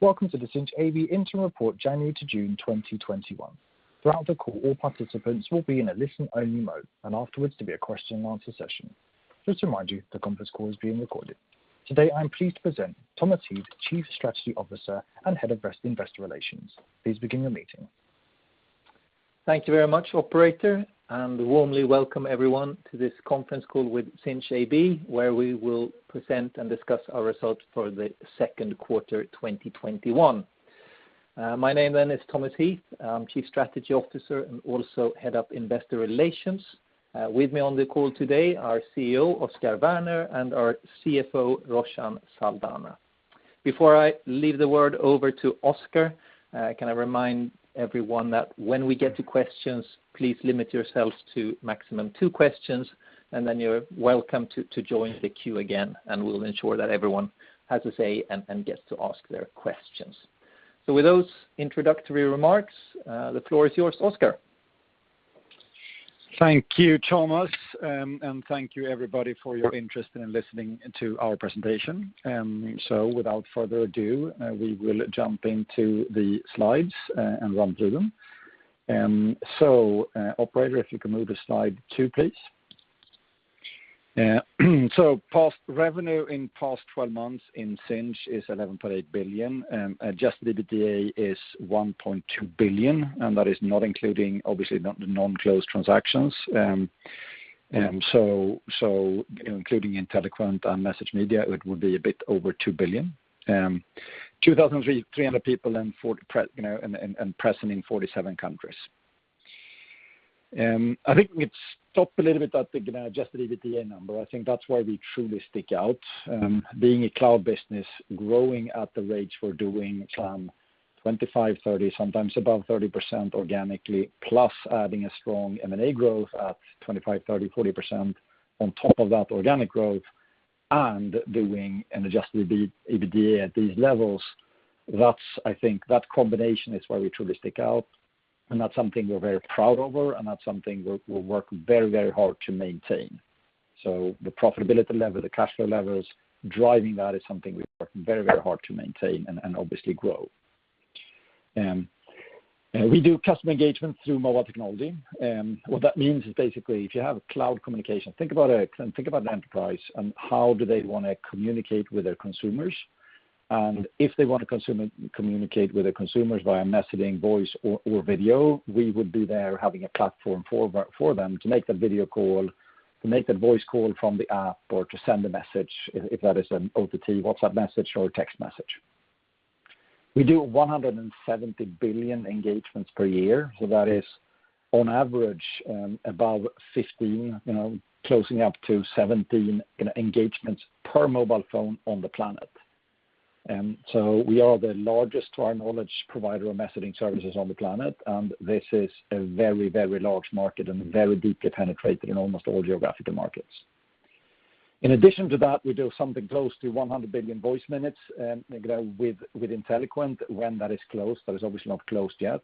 Welcome to the Sinch AB interim report, January to June 2021. Throughout the call, all participants will be in a listen-only mode, and afterwards, there will be a question-and-answer session. Just to remind you, the conference call is being recorded. Today, I'm pleased to present Thomas Heath, Chief Strategy Officer and Head of Investor Relations. Please begin your meeting. Thank you very much, operator, warmly welcome everyone to this conference call with Sinch AB, where we will present and discuss our results for the second quarter 2021. My name is Thomas Heath. I'm Chief Strategy Officer and also Head of Investor Relations. With me on the call today our CEO, Oscar Werner, and our CFO, Roshan Saldanha. Before I leave the word over to Oscar, can I remind everyone that when we get to questions, please limit yourselves to maximum two questions, you're welcome to join the queue again, we'll ensure that everyone has a say and gets to ask their questions. With those introductory remarks, the floor is yours, Oscar. Thank you, Thomas, and thank you, everybody, for your interest in listening to our presentation. Without further ado, we will jump into the slides and run through them. Operator, if you can move to slide two, please. Revenue in the past 12 months in Sinch is 11.8 billion. Adjusted EBITDA is 1.2 billion, and that is not including, obviously, the non-closed transactions. Including Inteliquent and MessageMedia, it would be a bit over 2 billion. 2,300 people and present in 47 countries. I think we could stop a little bit at the adjusted EBITDA number. I think that's where we truly stick out. Being a cloud business, growing at the rates we're doing, some 25%, 30%, sometimes above 30% organically, plus adding a strong M&A growth at 25%, 30%, 40% on top of that organic growth and doing an adjusted EBITDA at these levels, I think that combination is where we truly stick out, and that's something we're very proud of, and that's something we're working very hard to maintain. The profitability level, the cash flow levels, driving that is something we're working very hard to maintain and obviously grow. We do customer engagement through mobile technology. What that means is basically, if you have cloud communication, think about an enterprise and how do they want to communicate with their consumers. If they want to communicate with their consumers via messaging, voice, or video, we would be there having a platform for them to make the video call, to make the voice call from the app, or to send a message if that is an OTT, WhatsApp message, or a text message. We do 170 billion engagements per year. That is on average, above 15, closing up to 17 engagements per mobile phone on the planet. We are the largest, to our knowledge, provider of messaging services on the planet, and this is a very large market and very deeply penetrated in almost all geographical markets. In addition to that, we do something close to 100 billion voice minutes, with Inteliquent, when that is closed. That is obviously not closed yet.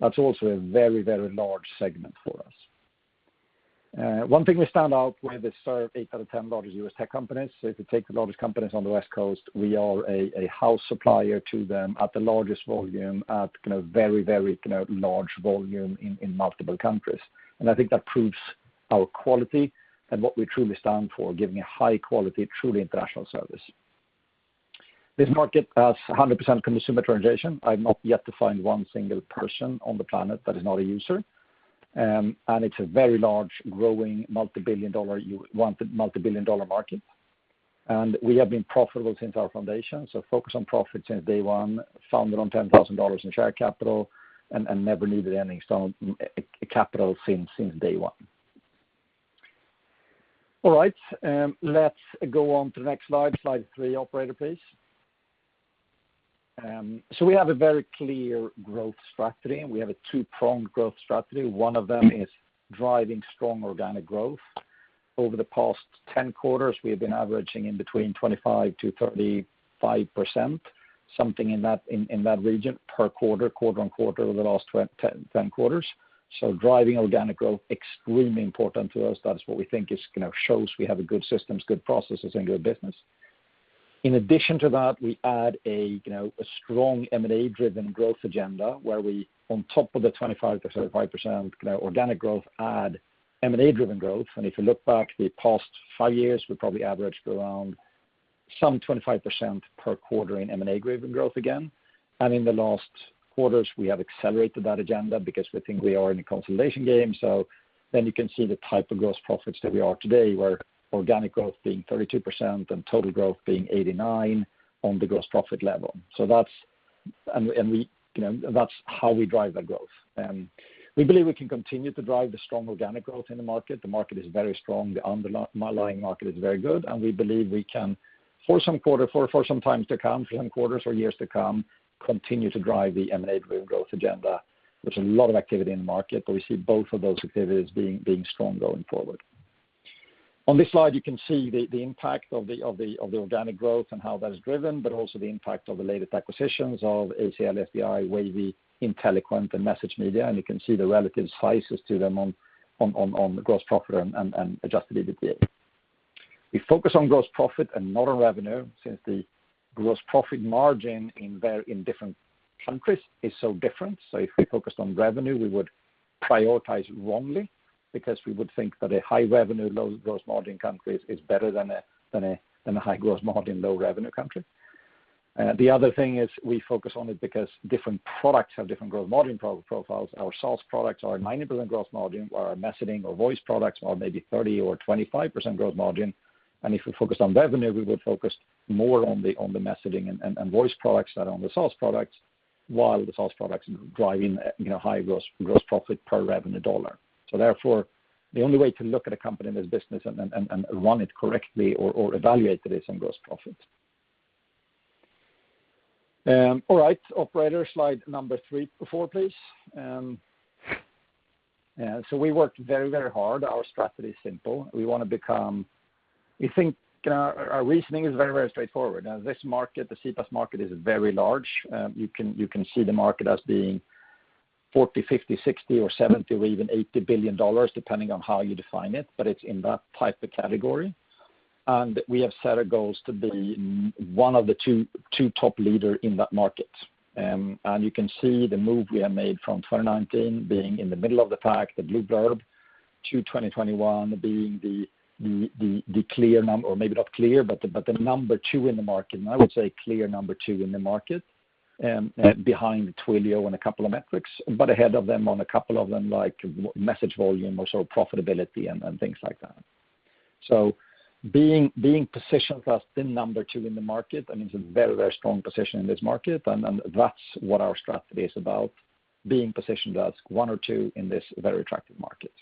That's also a very large segment for us. One thing we stand out with is we serve eight out of 10 largest U.S. tech companies. If you take the largest companies on the West Coast, we are a house supplier to them at the largest volume, at very large volume in multiple countries. I think that proves our quality and what we truly stand for, giving a high-quality, truly international service. This market has 100% consumer penetration. I have not yet to find one single person on the planet that is not a user. It's a very large, growing, multi-billion dollar market. We have been profitable since our foundation, so focused on profit since day one. Founded on $10,000 in share capital and never needed any capital since day one. All right. Let's go on to the next slide. Slide three, operator, please. We have a very clear growth strategy, and we have a two-pronged growth strategy. One of them is driving strong organic growth. Over the past 10 quarters, we have been averaging in between 25%-35%, something in that region per quarter-on-quarter, over the last 10 quarters. Driving organic growth, extremely important to us. That is what we think shows we have good systems, good processes, and good business. In addition to that, we add a strong M&A-driven growth agenda, where we, on top of the 25% organic growth, add M&A-driven growth. If you look back the past five years, we probably averaged around some 25% per quarter in M&A-driven growth again. In the last quarters, we have accelerated that agenda because we think we are in a consolidation game. You can see the type of gross profits that we are today, where organic growth being 32% and total growth being 89% on the gross profit level. That's how we drive that growth. We believe we can continue to drive the strong organic growth in the market. The market is very strong. The underlying market is very good, and we believe we can, for some times to come, for some quarters or years to come, continue to drive the M&A-driven growth agenda. There's a lot of activity in the market, but we see both of those activities being strong going forward. On this slide, you can see the impact of the organic growth and how that is driven, but also the impact of the latest acquisitions of ACL, SDI, Wavy, Inteliquent, and MessageMedia, and you can see the relative sizes to them on the gross profit and adjusted EBITDA. We focus on gross profit and not on revenue, since the gross profit margin in different countries is so different. If we focused on revenue, we would prioritize wrongly because we would think that a high revenue, low gross margin country is better than a high gross margin, low revenue country. The other thing is we focus on it because different products have different gross margin profiles. Our SaaS products are 90% gross margin, while our messaging or voice products are maybe 30% or 25% gross margin. If we focused on revenue, we would focus more on the messaging and voice products than on the SaaS products, while the SaaS products drive high gross profit per revenue dollar. Therefore, the only way to look at a company in this business and run it correctly or evaluate that it's in gross profit. All right. Operator, slide number four, please. We worked very hard. Our strategy is simple. Our reasoning is very straightforward. This market, the CPaaS market, is very large. You can see the market as being 40, 50, 60 or 70 or even $80 billion, depending on how you define it, but it's in that type of category. We have set a goals to be one of the two top leader in that market. You can see the move we have made from 2019 being in the middle of the pack, the blue blurb, to 2021 being the clear number, or maybe not clear, but the number two in the market. I would say clear number two in the market, behind Twilio on a couple of metrics, but ahead of them on a couple of them like message volume or profitability and things like that. Being positioned as the number two in the market, and it's a very strong position in this market, and that's what our strategy is about, being positioned as one or two in this very attractive market.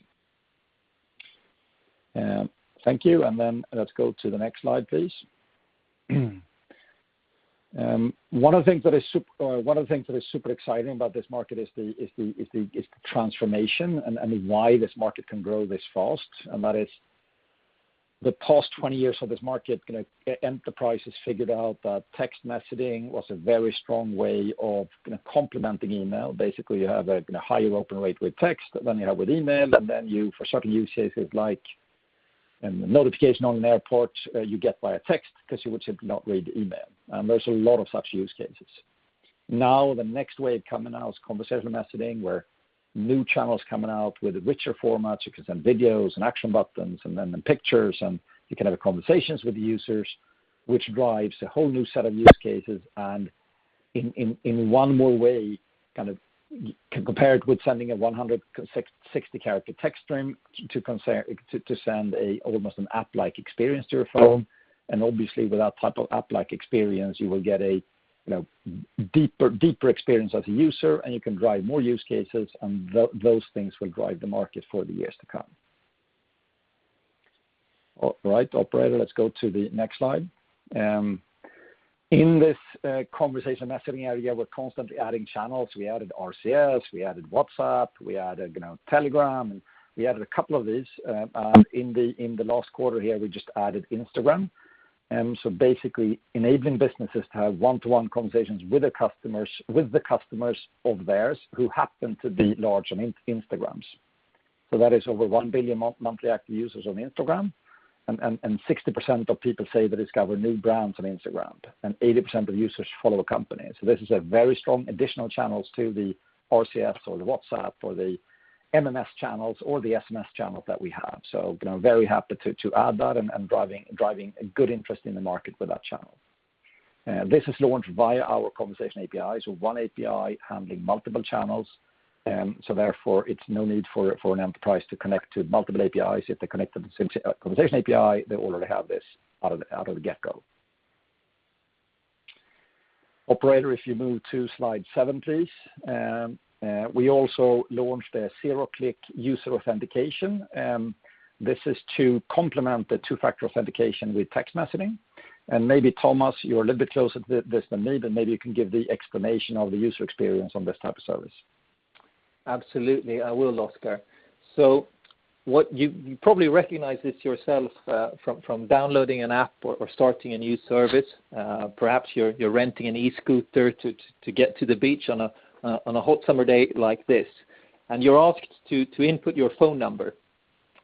Thank you, let's go to the next slide, please. One of the things that is super exciting about this market is the transformation and why this market can grow this fast. That is the past 20 years of this market, enterprise has figured out that text messaging was a very strong way of complementing email. Basically, you have a higher open rate with text than you have with email. You, for certain use cases like a notification on an airport, you get via text because you would simply not read email. There's a lot of such use cases. Now, the next wave coming out is conversational messaging, where new channels coming out with richer formats. You can send videos and action buttons and then pictures, and you can have conversations with the users, which drives a whole new set of use cases and in one more way, can compare it with sending a 160-character text string to send almost an app-like experience to your phone. Obviously, with that type of app-like experience, you will get a deeper experience as a user, and you can drive more use cases, and those things will drive the market for the years to come. All right, operator, let's go to the next slide. In this conversational messaging area, we're constantly adding channels. We added RCS, we added WhatsApp, we added Telegram, and we added a couple of these. In the last quarter here, we just added Instagram. Basically enabling businesses to have one-to-one conversations with the customers of theirs who happen to be large on Instagram. That is over 1 billion monthly active users on Instagram, and 60% of people say they discover new brands on Instagram, and 80% of users follow a company. This is a very strong additional channels to the RCS or the WhatsApp or the MMS channels or the SMS channels that we have. Very happy to add that and driving a good interest in the market for that channel. This is launched via our Conversation API, one API handling multiple channels. Therefore, it's no need for an enterprise to connect to multiple APIs. If they connect to the Sinch Conversation API, they already have this out of the get go. Operator, if you move to slide seven, please. We also launched a zero-click user authentication. This is to complement the two-factor authentication with text messaging. Maybe, Thomas, you're a little bit closer to this than me, but maybe you can give the explanation of the user experience on this type of service. Absolutely, I will, Oscar. You probably recognize this yourself from downloading an app or starting a new service. Perhaps you're renting an e-scooter to get to the beach on a hot summer day like this. You're asked to input your phone number,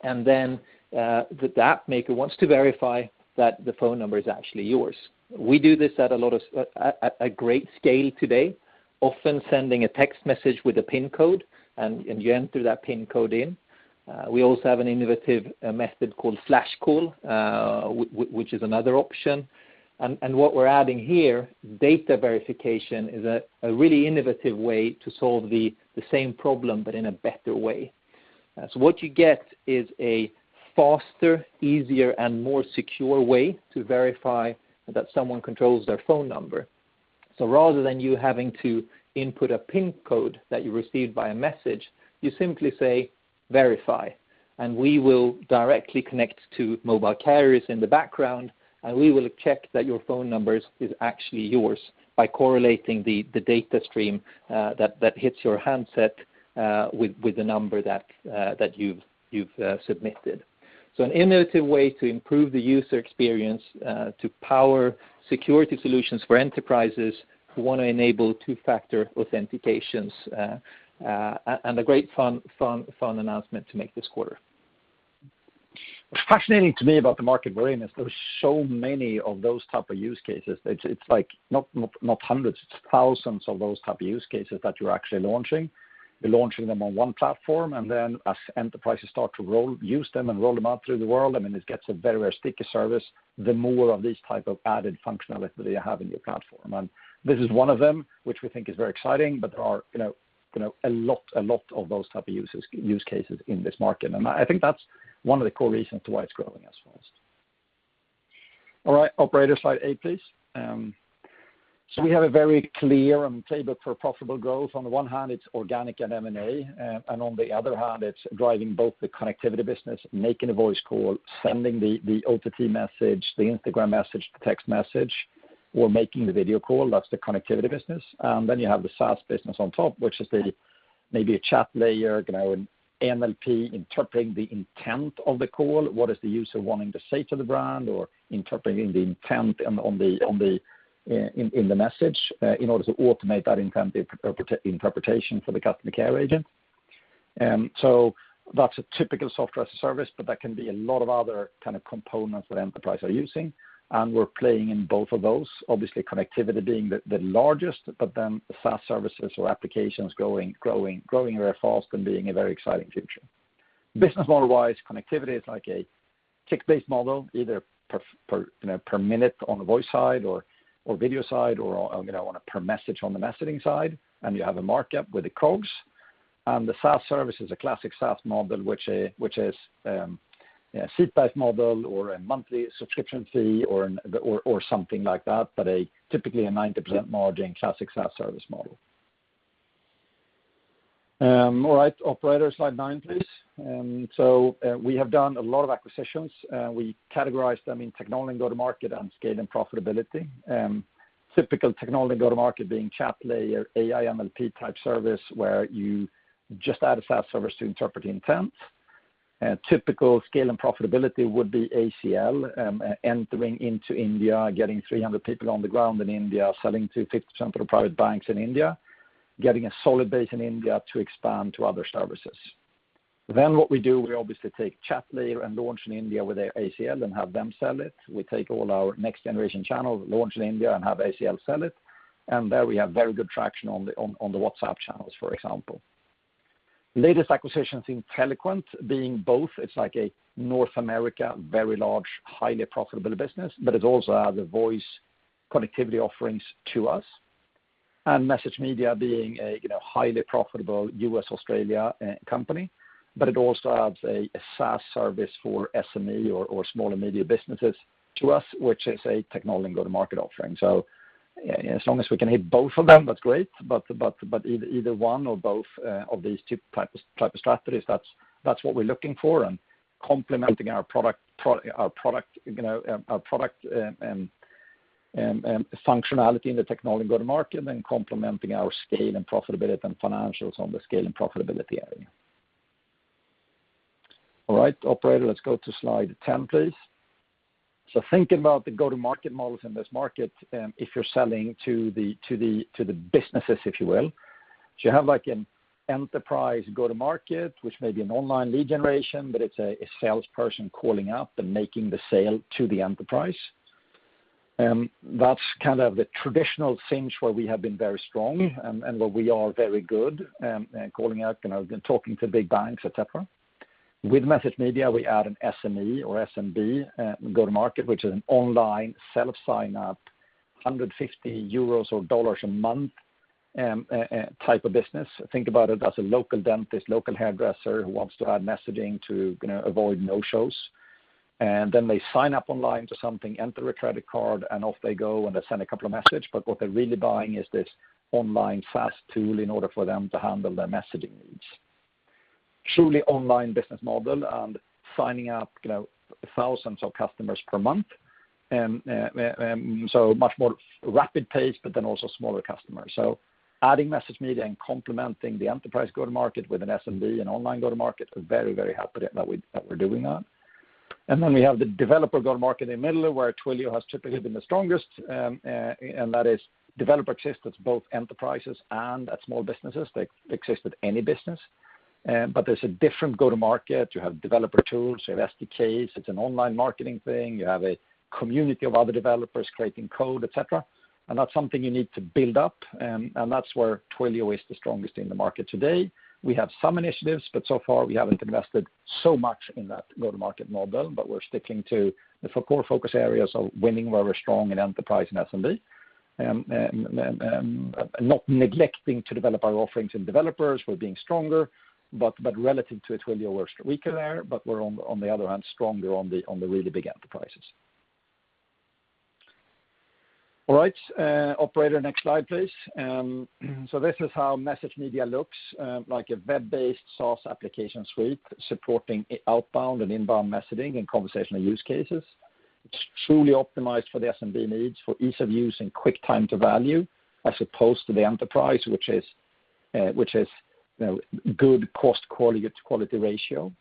then the app maker wants to verify that the phone number is actually yours. We do this at a great scale today, often sending a text message with a PIN code, and you enter that PIN code in. We also have an innovative method called Flash Call which is another option. What we're adding here, Data Verification, is a really innovative way to solve the same problem, but in a better way. What you get is a faster, easier, and more secure way to verify that someone controls their phone number. Rather than you having to input a PIN code that you received by a message, you simply say, "Verify," and we will directly connect to mobile carriers in the background, and we will check that your phone number is actually yours by correlating the data stream that hits your handset with the number that you've submitted. An innovative way to improve the user experience to power security solutions for enterprises who want to enable two-factor authentications, and a great fun announcement to make this quarter. What's fascinating to me about the market we're in is there are so many of those type of use cases. It's not hundreds, it's thousands of those type of use cases that you're actually launching. You're launching them on one platform, and then as enterprises start to use them and roll them out through the world, it gets a very sticky service, the more of this type of added functionality that you have in your platform. This is one of them, which we think is very exciting, but there are a lot of those type of use cases in this market. I think that's one of the core reasons to why it's growing as fast. All right. Operator, slide eight, please. We have a very clear table for profitable growth. On the one hand, it's organic and M&A. On the other hand, it's driving both the connectivity business, making a voice call, sending the OTT message, the Instagram message, the text message, or making the video call. That's the connectivity business. Then you have the SaaS business on top, which is the maybe a Chatlayer, an NLP interpreting the intent of the call. What is the user wanting to say to the brand? Interpreting the intent in the message, in order to automate that intent interpretation for the customer care agent. That's a typical software service, but there can be a lot of other kind of components that enterprise are using, and we're playing in both of those. Obviously, connectivity being the largest. Then the SaaS services or applications growing very fast and being a very exciting future. Business model-wise, connectivity is like a tick-based model, either per minute on the voice side or video side, or on a per message on the messaging side, and you have a markup with the COGS. The SaaS service is a classic SaaS model, which is a seat-based model or a monthly subscription fee or something like that, but typically a 90% margin classic SaaS service model. All right, operator, slide 9, please. We have done a lot of acquisitions. We categorize them in technology and go-to-market on scale and profitability. Typical technology go-to-market being Chatlayer, AI, NLP-type service, where you just add a SaaS service to interpret the intent. Typical scale and profitability would be ACL, entering into India, getting 300 people on the ground in India, selling to 50% of the private banks in India, getting a solid base in India to expand to other services. What we do, we obviously take Chatlayer and launch in India with their ACL and have them sell it. We take all our next generation channel, launch in India, and have ACL sell it. There we have very good traction on the WhatsApp channels, for example. Latest acquisitions, Inteliquent, being both. It's like a North America, very large, highly profitable business, but it also adds a voice connectivity offerings to us. MessageMedia being a highly profitable U.S., Australia company, but it also adds a SaaS service for SME or small and medium businesses to us, which is a technology and go-to-market offering. As long as we can hit both of them, that's great, but either one or both of these two type of strategies, that's what we're looking for and complementing our product functionality in the technology go-to-market and then complementing our scale and profitability and financials on the scale and profitability area. All right, operator, let's go to slide 10, please. Thinking about the go-to-market models in this market, if you're selling to the businesses, if you will. You have an enterprise go-to-market, which may be an online lead generation, but it's a salesperson calling up and making the sale to the enterprise. That's kind of the traditional Sinch where we have been very strong and where we are very good, calling out, talking to big banks, et cetera. With MessageMedia, we add an SME or SMB go-to-market, which is an online self-sign-up, €150 or dollars a month type of business. Think about it as a local dentist, local hairdresser, who wants to add messaging to avoid no-shows. Then they sign up online to something, enter a credit card, and off they go, and they send a couple of message. What they're really buying is this online SaaS tool in order for them to handle their messaging needs. Truly online business model and signing up thousands of customers per month, so much more rapid pace, but then also smaller customers. Adding MessageMedia and complementing the enterprise go-to-market with an SMB and online go-to-market, we're very, very happy that we're doing that. We have the developer go-to-market in the middle, where Twilio has typically been the strongest, and that is developer exists with both enterprises and at small businesses. They exist with any business. There's a different go-to-market. You have developer tools, you have SDKs. It's an online marketing thing. You have a community of other developers creating code, et cetera, and that's something you need to build up, and that's where Twilio is the strongest in the market today. We have some initiatives, but so far, we haven't invested so much in that go-to-market model, but we're sticking to the four core focus areas of winning where we're strong in enterprise and SMB, and not neglecting to develop our offerings in developers. We're being stronger, but relative to Twilio, we're weaker there, but we're, on the other hand, stronger on the really big enterprises. All right. Operator, next slide, please. This is how MessageMedia looks, like a web-based SaaS application suite supporting outbound and inbound messaging and conversational use cases. It's truly optimized for the SMB needs for ease of use and quick time to value, as opposed to the enterprise, which is good cost, quality ratio.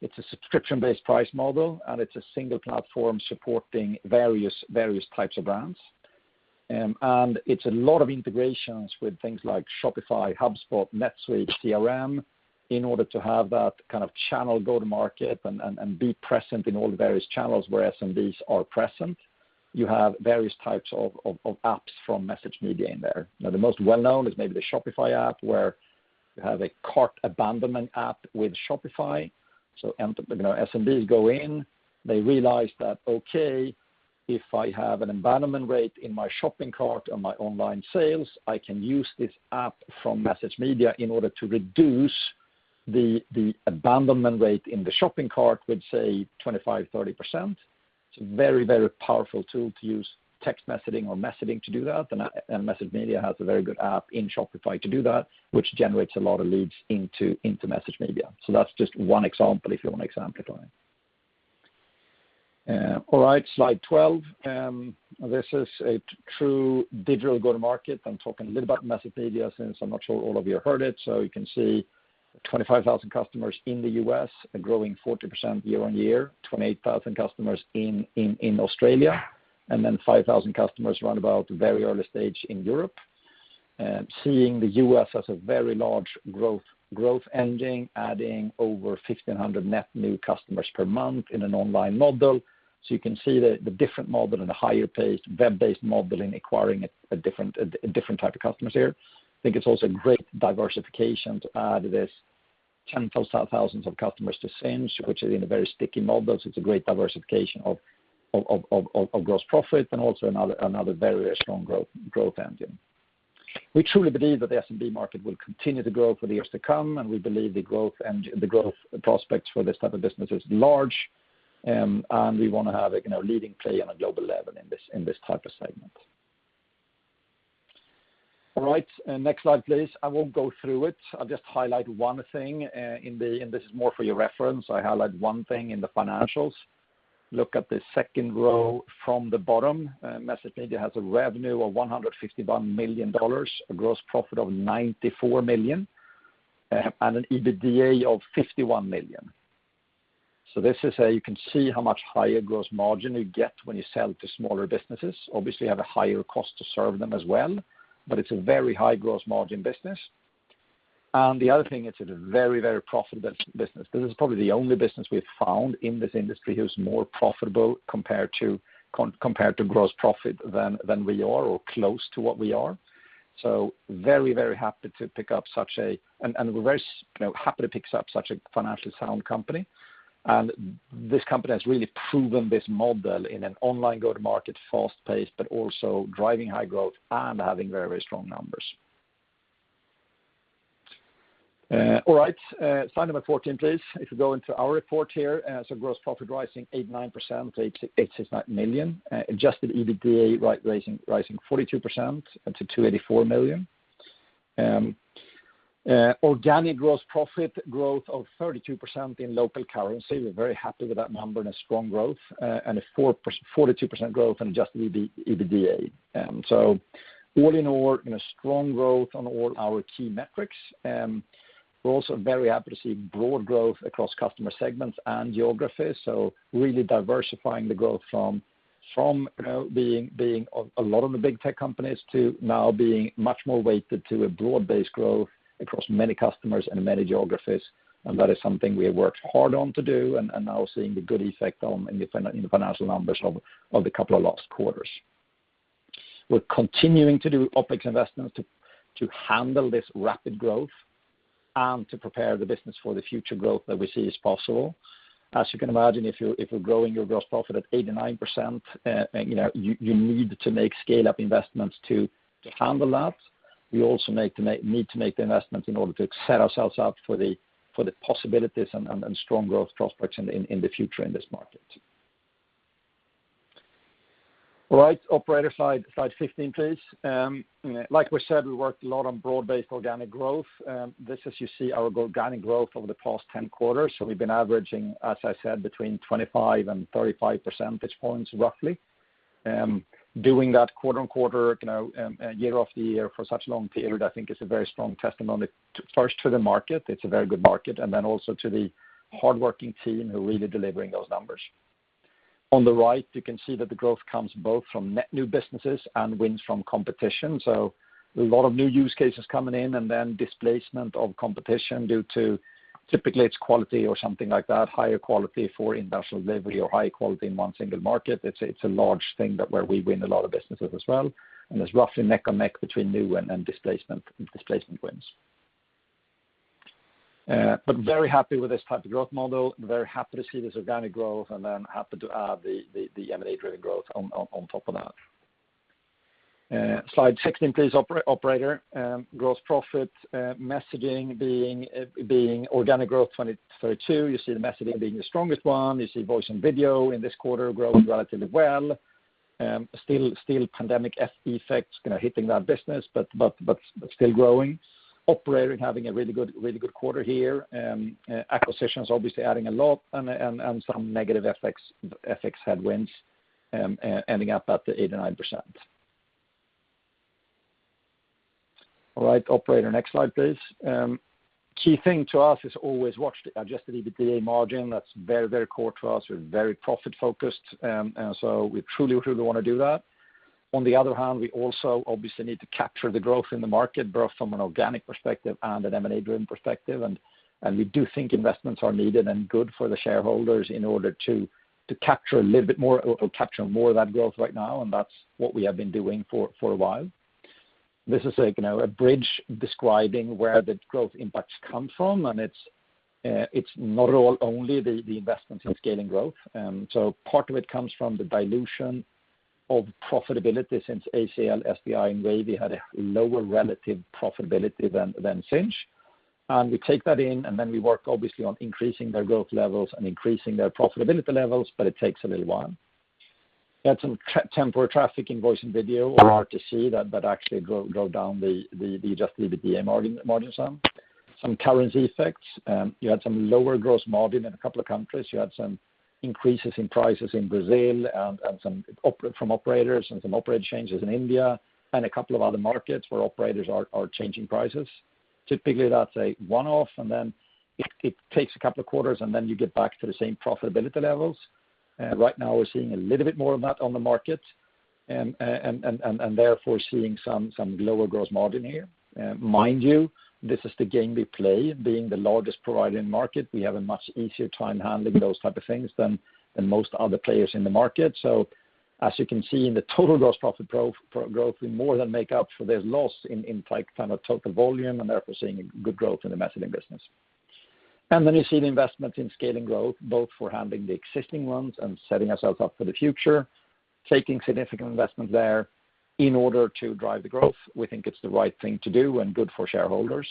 It's a subscription-based price model, and it's a single platform supporting various types of brands. It's a lot of integrations with things like Shopify, HubSpot, NetSuite, CRM, in order to have that kind of channel go to market and be present in all the various channels where SMBs are present. You have various types of apps from MessageMedia in there. The most well-known is maybe the Shopify app, where you have a cart abandonment app with Shopify. SMBs go in, they realize that, okay, if I have an abandonment rate in my shopping cart on my online sales, I can use this app from MessageMedia in order to reduce the abandonment rate in the shopping cart with, say, 25%, 30%. It's a very, very powerful tool to use text messaging or messaging to do that, and MessageMedia has a very good app in Shopify to do that, which generates a lot of leads into MessageMedia. That's just one example, if you want an example on it. Slide 12. This is a true digital go to market. I'm talking a little about MessageMedia, since I'm not sure all of you heard it. You can see 25,000 customers in the U.S. are growing 40% year-on-year, 28,000 customers in Australia, and then 5,000 customers roundabout very early stage in Europe. Seeing the U.S. as a very large growth engine, adding over 1,500 net new customers per month in an online model. You can see the different model and the higher paced web-based model in acquiring a different type of customers here. I think it's also a great diversification to add this tens of thousands of customers to Sinch, which is in a very sticky model. It's a great diversification of gross profit and also another very strong growth engine. We truly believe that the SMB market will continue to grow for the years to come, and we believe the growth prospects for this type of business is large. We want to have a leading play on a global level in this type of segment. All right, next slide, please. I won't go through it. I'll just highlight one thing, and this is more for your reference. I highlight one thing in the financials. Look at the second row from the bottom. MessageMedia has a revenue of SEK 151 million, a gross profit of 94 million, and an EBITDA of 51 million. This is a, you can see how much higher gross margin you get when you sell to smaller businesses. Obviously, you have a higher cost to serve them as well, but it's a very high gross margin business. The other thing, it's a very, very profitable business. This is probably the only business we've found in this industry who's more profitable compared to gross profit than we are, or close to what we are. Very, very happy to pick up such a financially sound company. This company has really proven this model in an online go-to-market, fast-paced, but also driving high growth and having very, very strong numbers. All right, slide number 14, please. If we go into our report here, gross profit rising 89% to 869 million. Adjusted EBITDA rising 42% to 284 million. Organic gross profit growth of 32% in local currency. We're very happy with that number and a strong growth. A 42% growth in Adjusted EBITDA. All in all, a strong growth on all our key metrics. We're also very happy to see broad growth across customer segments and geographies. Really diversifying the growth from being a lot of the big tech companies to now being much more weighted to a broad-based growth across many customers and many geographies. That is something we have worked hard on to do and now seeing the good effect in the financial numbers of the couple of last quarters. We're continuing to do OpEx investments to handle this rapid growth and to prepare the business for the future growth that we see as possible. As you can imagine, if you're growing your gross profit at 89%, you need to make scale-up investments to handle that. We also need to make the investments in order to set ourselves up for the possibilities and strong growth prospects in the future in this market. All right, operator, slide 15, please. Like we said, we worked a lot on broad-based organic growth. This is, you see, our organic growth over the past 10 quarters. We've been averaging, as I said, between 25 and 35 percentage points roughly. Doing that quarter on quarter, and year after year for such a long period, I think is a very strong testimony first to the market. It's a very good market. Also to the hardworking team who are really delivering those numbers. On the right, you can see that the growth comes both from net new businesses and wins from competition. A lot of new use cases coming in and then displacement of competition due to typically its quality or something like that, higher quality for industrial delivery or high quality in one single market. It's a large thing that where we win a lot of businesses as well, and it's roughly neck and neck between new and displacement wins. Very happy with this type of growth model. Very happy to see this organic growth and then happy to add the M&A-driven growth on top of that. Slide 16, please, operator. Gross profit, messaging being organic growth 20 - 32. You see the messaging being the strongest one. You see voice and video in this quarter growing relatively well. Still pandemic effects hitting that business, but still growing. Operating, having a really good quarter here. Acquisitions obviously adding a lot and some negative FX headwinds, ending up at the 89%. All right, operator, next slide, please. Key thing to us is always watch the adjusted EBITDA margin. That's very core to us. We're very profit-focused, we truly want to do that. On the other hand, we also obviously need to capture the growth in the market, both from an organic perspective and an M&A-driven perspective. We do think investments are needed and good for the shareholders in order to capture more of that growth right now, and that's what we have been doing for a while. This is a bridge describing where the growth impacts come from, it's not at all only the investments in scale and growth. Part of it comes from the dilution of profitability since ACL, SDI, and Wavy had a lower relative profitability than Sinch. We take that in, and then we work, obviously, on increasing their growth levels and increasing their profitability levels, but it takes a little while. You had some temporary traffic in voice and video or RTC that actually drove down the adjusted EBITDA margin some. Some currency effects. You had some lower gross margin in a couple of countries. You had some increases in prices in Brazil from operators and some operator changes in India and a couple of other markets where operators are changing prices. Typically, that's a one-off, and then it takes a couple of quarters, and then you get back to the same profitability levels. Right now, we're seeing a little bit more of that on the market, and therefore, seeing some lower gross margin here. Mind you, this is the game we play. Being the largest provider in the market, we have a much easier time handling those type of things than most other players in the market. As you can see in the total gross profit growth, we more than make up for this loss in total volume and, therefore, seeing good growth in the messaging business. Then you see the investment in scale and growth, both for handling the existing ones and setting ourselves up for the future. Taking significant investment there in order to drive the growth. We think it's the right thing to do and good for shareholders.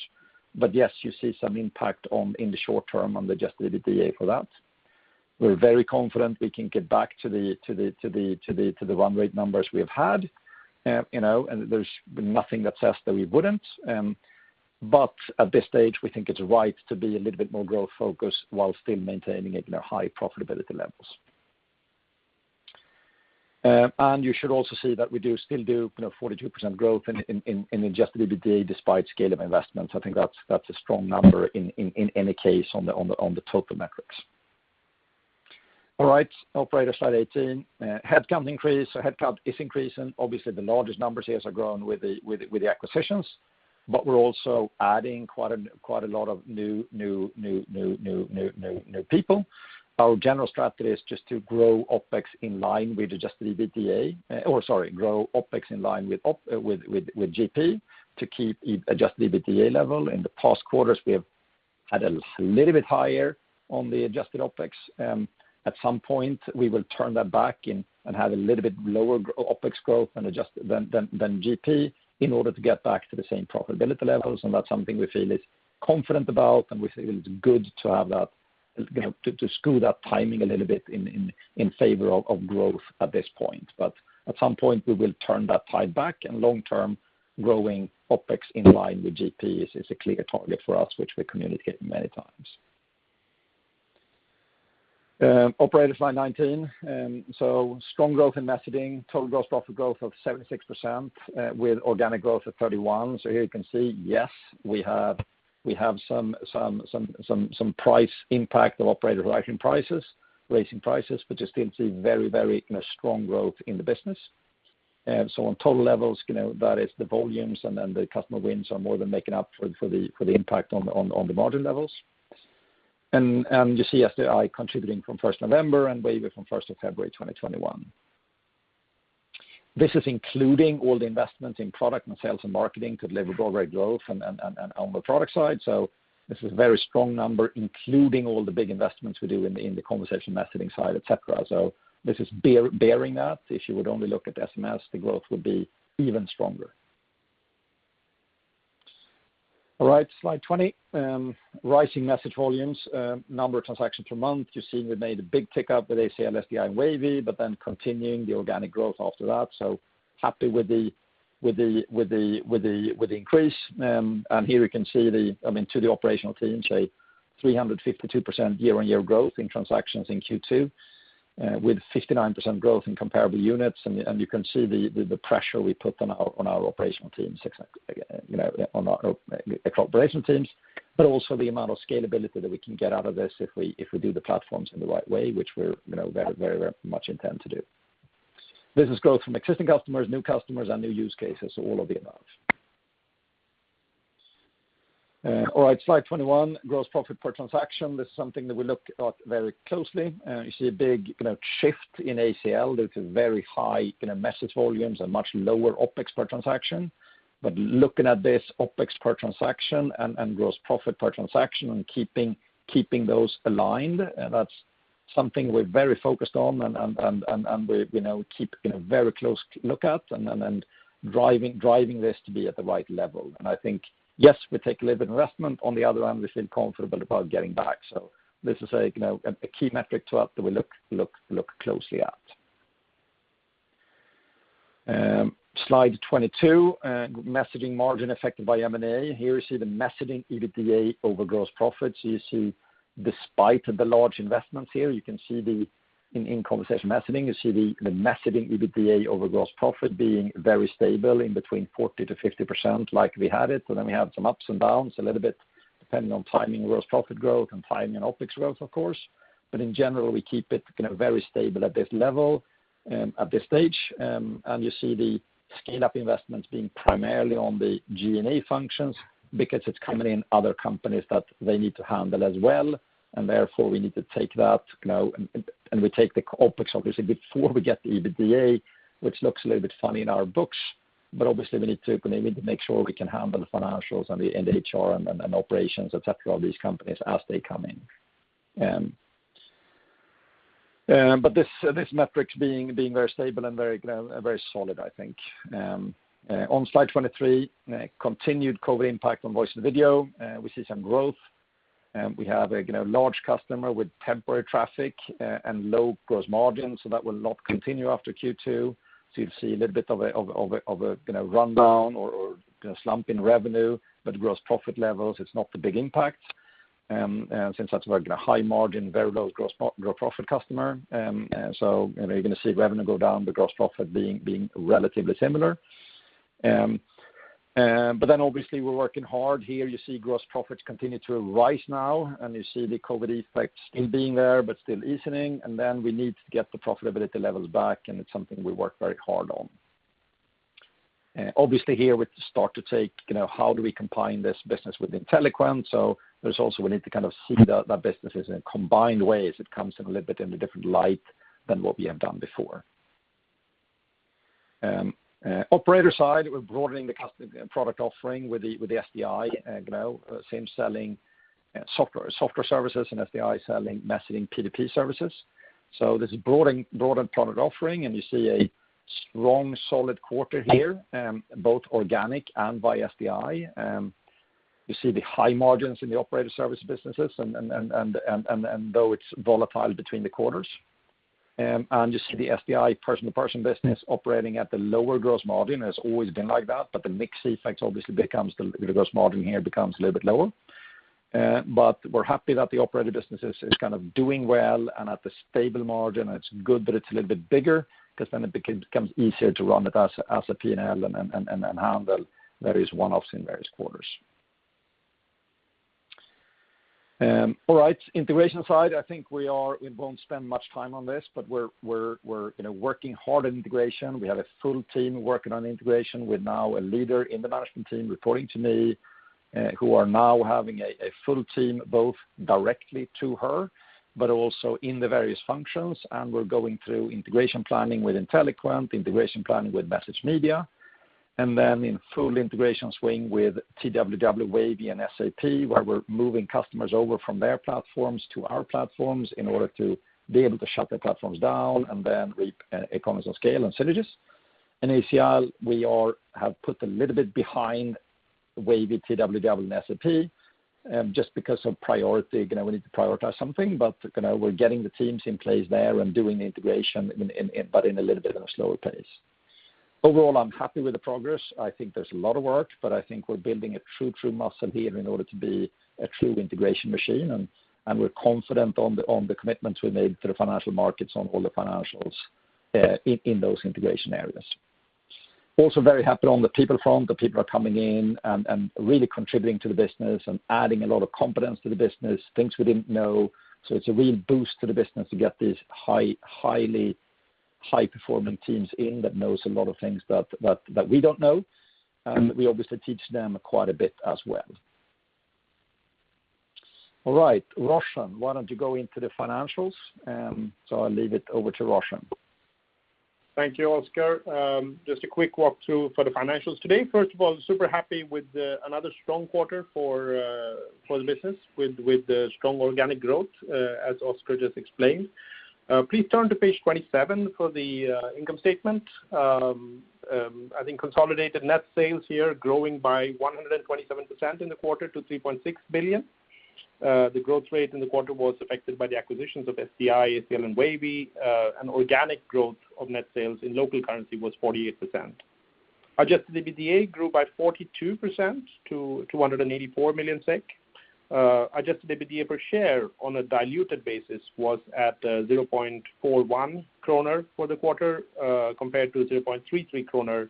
Yes, you see some impact in the short term on adjusted EBITDA for that. We're very confident we can get back to the run rate numbers we have had, and there's nothing that says that we wouldn't. At this stage, we think it's right to be a little bit more growth-focused while still maintaining high profitability levels. You should also see that we do still do 42% growth in adjusted EBITDA despite scale of investments. I think that's a strong number in any case on the total metrics. All right. Operator, slide 18. Headcount increase. Headcount is increasing. Obviously, the largest numbers here have grown with the acquisitions, but we're also adding quite a lot of new people. Our general strategy is just to grow OpEx in line with adjusted EBITDA, or, sorry, grow OpEx in line with GP to keep adjusted EBITDA level. In the past quarters, we have had a little bit higher on the adjusted OpEx. At some point, we will turn that back and have a little bit lower OpEx growth than GP in order to get back to the same profitability levels, and that's something we feel is confident about, and we feel it's good to screw that timing a little bit in favor of growth at this point. At some point, we will turn that tide back, and long term, growing OpEx in line with GP is a clear target for us, which we communicated many times. Operator, slide 19. Strong growth in messaging. Total gross profit growth of 76% with organic growth of 31%. Here you can see, yes, we have some price impact of operator raising prices, but you still see very strong growth in the business. On total levels, that is the volumes and then the customer wins are more than making up for the impact on the margin levels. You see SDI contributing from 1st November and Wavy from 1st of February 2021. This is including all the investments in product and sales and marketing to deliver broad rate growth and on the product side. This is a very strong number, including all the big investments we do in the conversation messaging side, et cetera. This is bearing that. If you would only look at SMS, the growth would be even stronger. All right, slide 20. Rising message volumes. Number of transactions per month, you're seeing we made a big tick up with ACL, SDI, and Wavy, but then continuing the organic growth after that. Happy with the increase. Here we can see, to the operational teams, a 352% year-on-year growth in transactions in Q2 with 59% growth in comparable units. You can see the pressure we put on our operational teams, but also the amount of scalability that we can get out of this if we do the platforms in the right way, which we very much intend to do. This is growth from existing customers, new customers, and new use cases, so all of the above. All right, slide 21. Gross Profit per transaction. This is something that we look at very closely. You see a big shift in ACL. There's a very high message volumes and much lower OpEx per transaction. Looking at this OpEx per transaction and gross profit per transaction and keeping those aligned, that's something we're very focused on and we keep a very close look at and driving this to be at the right level. I think, yes, we take a little bit of investment. On the other hand, we feel comfortable about getting back. This is a key metric to us that we look closely at. Slide 22, messaging margin affected by M&A. Here you see the messaging EBITDA over gross profit. You see despite the large investments here, you can see the messaging EBITDA over gross profit being very stable in between 40%-50%, like we had it. Then we have some ups and downs a little bit depending on timing gross profit growth and timing and OpEx growth, of course. In general, we keep it very stable at this level at this stage. You see the scale-up investments being primarily on the G&A functions because it's coming in other companies that they need to handle as well, and therefore we need to take that. We take the OpEx, obviously, before we get the EBITDA, which looks a little bit funny in our books, but obviously we need to make sure we can handle the financials and the HR and operations, et cetera, of these companies as they come in. This metric is being very stable and very solid, I think. On slide 23, continued COVID impact on voice and video. We see some growth. We have a large customer with temporary traffic and low gross margin, so that will not continue after Q2. You'll see a little bit of a rundown or slump in revenue, but gross profit levels, it's not a big impact since that's a very high margin, very low gross profit customer. You're going to see revenue go down, the gross profit being relatively similar. Obviously we're working hard here. You see gross profits continue to rise now, and you see the COVID effects still being there, but still easing. We need to get the profitability levels back, and it's something we work very hard on. Obviously here we start to take, how do we combine this business with Inteliquent? There's also, we need to see the businesses in combined ways. It comes in a little bit in a different light than what we have done before. Operator side, we're broadening the product offering with the SDI. Sinch selling software services. SDI selling messaging P2P services. There's a broadened product offering, and you see a strong solid quarter here, both organic and by SDI. You see the high margins in the operator service businesses and though it's volatile between the quarters. You see the SDI person-to-person business operating at the lower gross margin, has always been like that, but the mix effect, obviously the gross margin here becomes a little bit lower. We're happy that the operator business is doing well and at a stable margin. It's good that it's a little bit bigger because then it becomes easier to run it as a P&L and handle various one-offs in various quarters. All right. Integration side, I think we won't spend much time on this, but we're working hard on integration. We have a full team working on integration with now a leader in the management team reporting to me, who are now having a full team, both directly to her, but also in the various functions. We're going through integration planning with Inteliquent, integration planning with MessageMedia, and then in full integration swing with TWW, Wavy, and SAP, where we're moving customers over from their platforms to our platforms in order to be able to shut their platforms down and then reap economies of scale and synergies. ACL, we have put a little bit behind Wavy, TWW, and SAP, just because of priority. We need to prioritize something, but we're getting the teams in place there and doing the integration, but in a little bit of a slower pace. Overall, I'm happy with the progress. I think there's a lot of work, but I think we're building a true muscle here in order to be a true integration machine. We're confident on the commitments we made to the financial markets on all the financials in those integration areas. Also very happy on the people front. The people are coming in and really contributing to the business and adding a lot of competence to the business, things we didn't know. It's a real boost to the business to get these high-performing teams in that know a lot of things that we don't know. We obviously teach them quite a bit as well. All right. Roshan, why don't you go into the financials? I'll leave it over to Roshan. Thank you, Oscar. Just a quick walkthrough for the financials today. First of all, super happy with another strong quarter for the business with strong organic growth, as Oscar just explained. Please turn to page 27 for the income statement. I think consolidated net sales here growing by 127% in the quarter to 3.6 billion. The growth rate in the quarter was affected by the acquisitions of SDI, ACL, and Wavy, and organic growth of net sales in local currency was 48%. Adjusted EBITDA grew by 42% to 284 million SEK. Adjusted EBITDA per share on a diluted basis was at 0.41 kronor for the quarter, compared to 3.33 kronor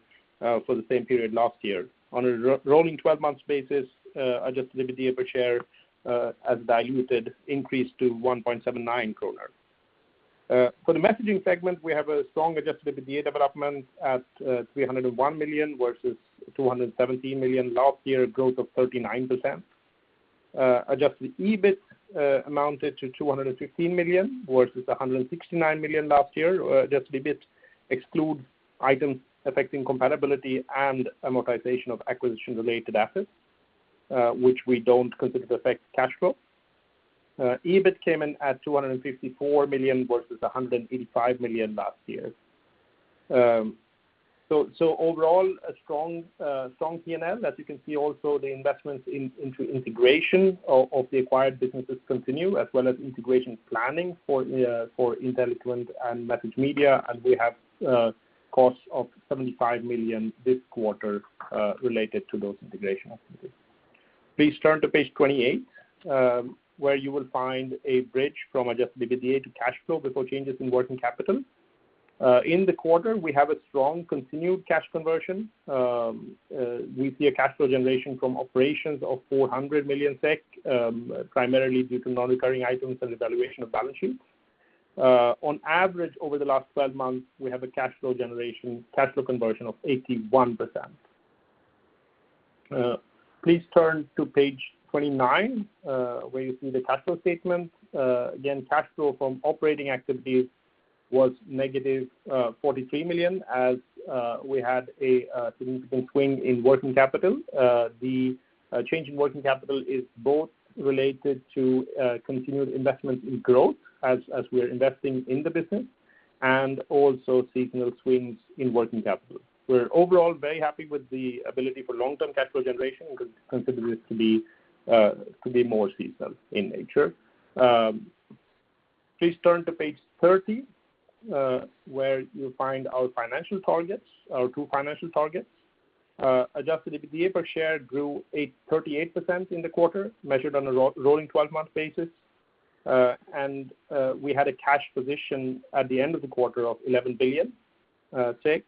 for the same period last year. On a rolling 12-month basis, adjusted EBITDA per share as diluted increased to 1.79 kronor. For the messaging segment, we have a strong adjusted EBITDA development at 301 million versus 217 million last year, growth of 39%. Adjusted EBIT amounted to 215 million, versus 169 million last year. Adjusted EBIT excludes items affecting comparability and amortization of acquisition-related assets, which we don't consider affect cash flow. EBIT came in at 254 million versus 185 million last year. Overall, a strong P&L. As you can see also, the investments into integration of the acquired businesses continue, as well as integration planning for Inteliquent and MessageMedia, and we have costs of 75 million this quarter related to those integration activities. Please turn to page 28, where you will find a bridge from adjusted EBITDA to cash flow before changes in working capital. In the quarter, we have a strong continued cash conversion. We see a cash flow generation from operations of 400 million SEK, primarily due to non-recurring items and the valuation of balance sheets. On average, over the last 12 months, we have a cash flow conversion of 81%. Please turn to page 29, where you see the cash flow statement. Again, cash flow from operating activities was negative 43 million, as we had a significant swing in working capital. The change in working capital is both related to continued investment in growth as we are investing in the business, and also seasonal swings in working capital. We're overall very happy with the ability for long-term cash flow generation and consider this to be more seasonal in nature. Please turn to page 30, where you'll find our two financial targets. Adjusted EBITDA per share grew 38% in the quarter, measured on a rolling 12-month basis. We had a cash position at the end of the quarter of 11 billion SEK.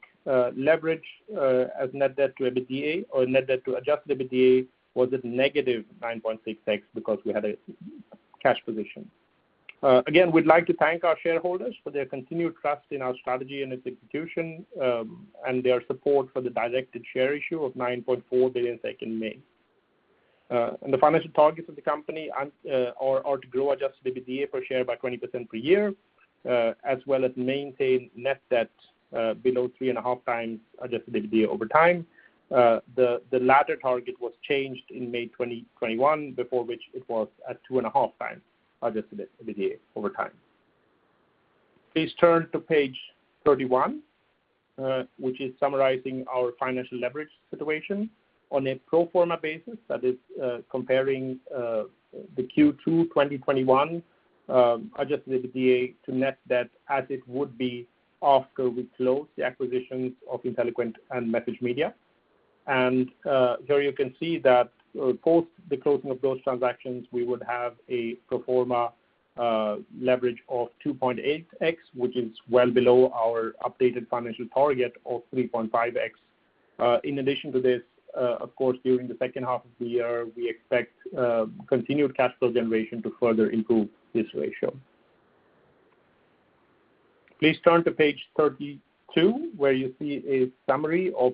Leverage as net debt to adjusted EBITDA was at negative 9.6 because we had a cash position. Again, we'd like to thank our shareholders for their continued trust in our strategy and its execution, and their support for the directed share issue of 9.4 billion in May. The financial targets of the company are to grow adjusted EBITDA per share by 20% per year, as well as maintain net debt below 3.5x adjusted EBITDA over time. The latter target was changed in May 2021, before which it was at 2.5x adjusted EBITDA over time. Please turn to page 31, which is summarizing our financial leverage situation on a pro forma basis. That is comparing the Q2 2021 adjusted EBITDA to net debt as it would be after we close the acquisitions of Inteliquent and MessageMedia. Here you can see that post the closing of those transactions, we would have a pro forma leverage of 2.8x, which is well below our updated financial target of 3.5x. In addition to this, of course, during the second half of the year, we expect continued cash flow generation to further improve this ratio. Please turn to page 32, where you see a summary of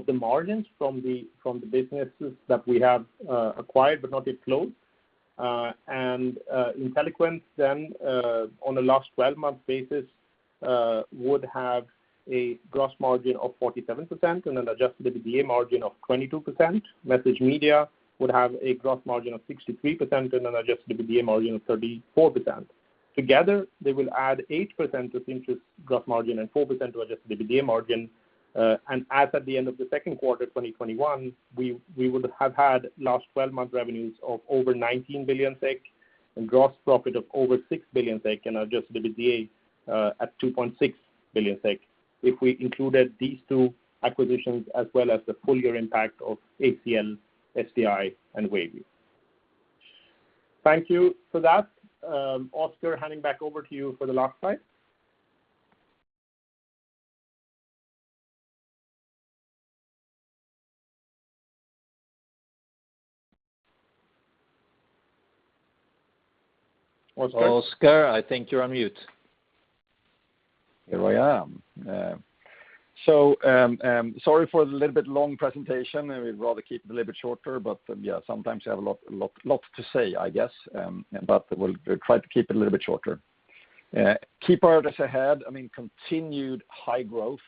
the margins from the businesses that we have acquired, but not yet closed. Inteliquent then, on a last 12-month basis, would have a gross margin of 47% and an adjusted EBITDA margin of 22%. MessageMedia would have a gross margin of 63% and an adjusted EBITDA margin of 34%. Together, they will add 8% to Sinch's gross margin and 4% to adjusted EBITDA margin. As at the end of the second quarter 2021, we would have had last 12 months revenues of over 19 billion SEK and gross profit of over 6 billion SEK and adjusted EBITDA at 2.6 billion SEK if we included these two acquisitions, as well as the full year impact of ACL, SDI, and Wavy. Thank you for that. Oscar, handing back over to you for the last slide. Oscar, I think you're on mute. Here I am. Sorry for the little bit long presentation. We'd rather keep it a little bit shorter, sometimes you have a lot to say, I guess. We'll try to keep it a little bit shorter. Key priorities ahead, continued high growth,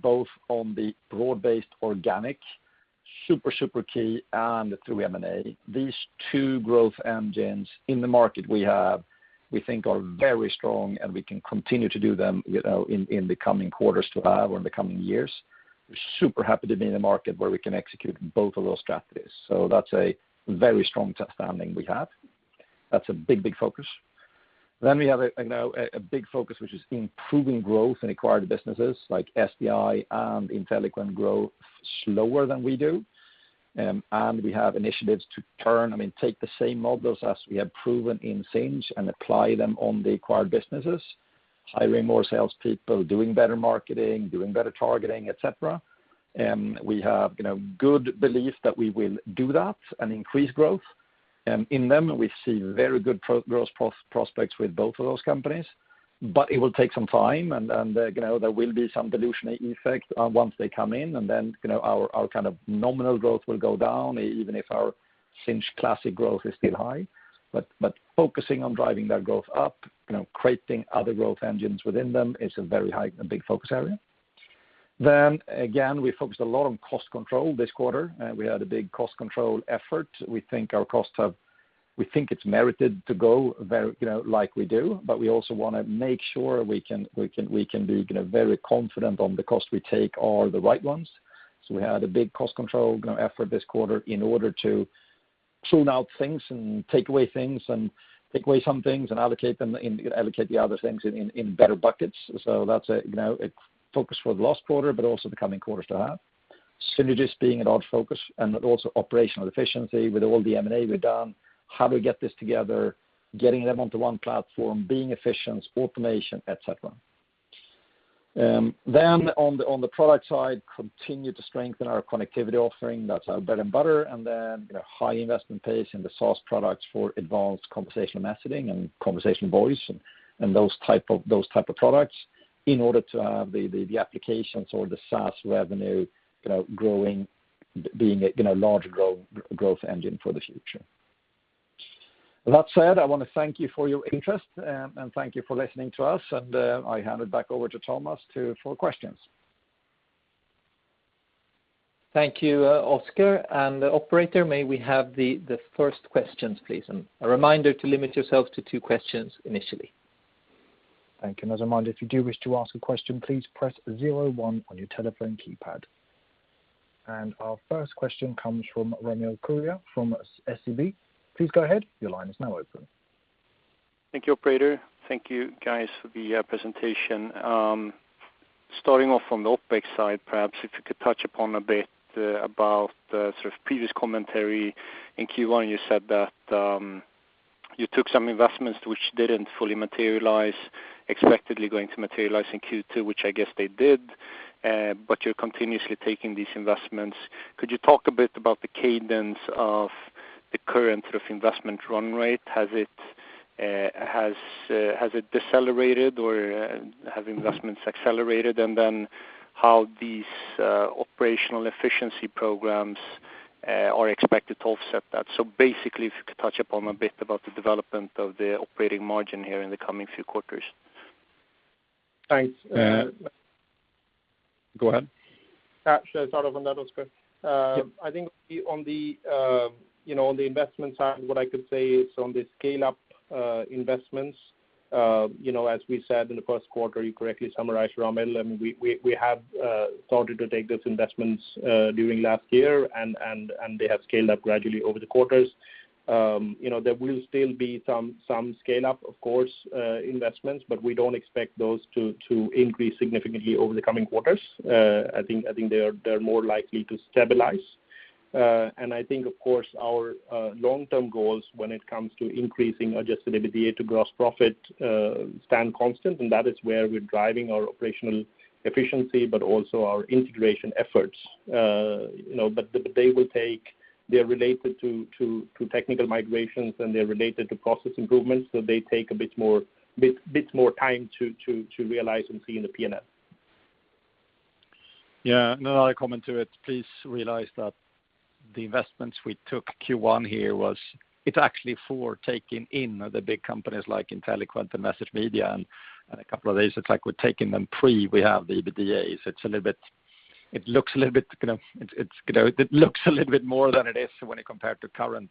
both on the broad-based organic, super key, and through M&A. These two growth engines in the market we have, we think are very strong, and we can continue to do them in the coming quarters or in the coming years. We're super happy to be in a market where we can execute both of those strategies. That's a very strong standing we have. That's a big focus. We have a big focus which is improving growth in acquired businesses like SDI and Inteliquent grow slower than we do. We have initiatives to take the same models as we have proven in Sinch and apply them on the acquired businesses. Hiring more salespeople, doing better marketing, doing better targeting, et cetera. We have good belief that we will do that and increase growth. In them, we see very good growth prospects with both of those companies, but it will take some time and there will be some dilution effect once they come in and then our nominal growth will go down even if our Sinch Classic growth is still high. Focusing on driving that growth up, creating other growth engines within them is a very big focus area. Again, we focused a lot on cost control this quarter. We had a big cost control effort. We think it's merited to go like we do, but we also want to make sure we can be very confident on the cost we take are the right ones. We had a big cost control effort this quarter in order to prune out things and take away things, and take away some things and allocate the other things in better buckets. That's a focus for the last quarter, but also the coming quarters to have. Synergies being a large focus and also operational efficiency with all the M&A we've done, how do we get this together, getting them onto one platform, being efficient, automation, et cetera. On the product side, continue to strengthen our connectivity offering. That's our bread and butter. Then, high investment pace in the source products for advanced conversational messaging and conversational voice, and those type of products in order to have the applications or the SaaS revenue growing, being a large growth engine for the future. That said, I want to thank you for your interest and thank you for listening to us, and I hand it back over to Thomas for questions. Thank you, Oscar. Operator, may we have the first questions, please? A reminder to limit yourself to two questions initially. Thank you. Another reminder, if you do wish to ask a question, please press zero one on your telephone keypad. Our first question comes from Ramil Koria from SEB. Please go ahead. Your line is now open. Thank you, operator. Thank you, guys, for the presentation. Starting off on the OpEx side, perhaps if you could touch upon a bit about previous commentary. In Q1, you said that you took some investments which didn't fully materialize, expectedly going to materialize in Q2, which I guess they did. You're continuously taking these investments. Could you talk a bit about the cadence of the current investment run rate? Has it decelerated, or have investments accelerated? How these operational efficiency programs are expected to offset that. Basically, if you could touch upon a bit about the development of the operating margin here in the coming few quarters. Thanks. Go ahead. Shall I start off on that, Oscar? Yep. I think on the investments side, what I could say is on the scale-up investments, as we said in the 1st quarter, you correctly summarized, Ramil, we have started to take those investments during last year, and they have scaled up gradually over the quarters. There will still be some scale up, of course, investments, but we don't expect those to increase significantly over the coming quarters. I think they're more likely to stabilize. I think, of course, our long-term goals when it comes to increasing adjusted EBITDA to gross profit stand constant, and that is where we're driving our operational efficiency, but also our integration efforts. They're related to technical migrations, and they're related to process improvements, so they take a bit more time to realize and see in the P&L. Yeah. Another comment to it, please realize that the investments we took Q1 here, it's actually for taking in the big companies like Inteliquent and MessageMedia, and a couple of these. It's like we're taking them pre-we have the EBITDA. It looks a little bit more than it is when you compare it to current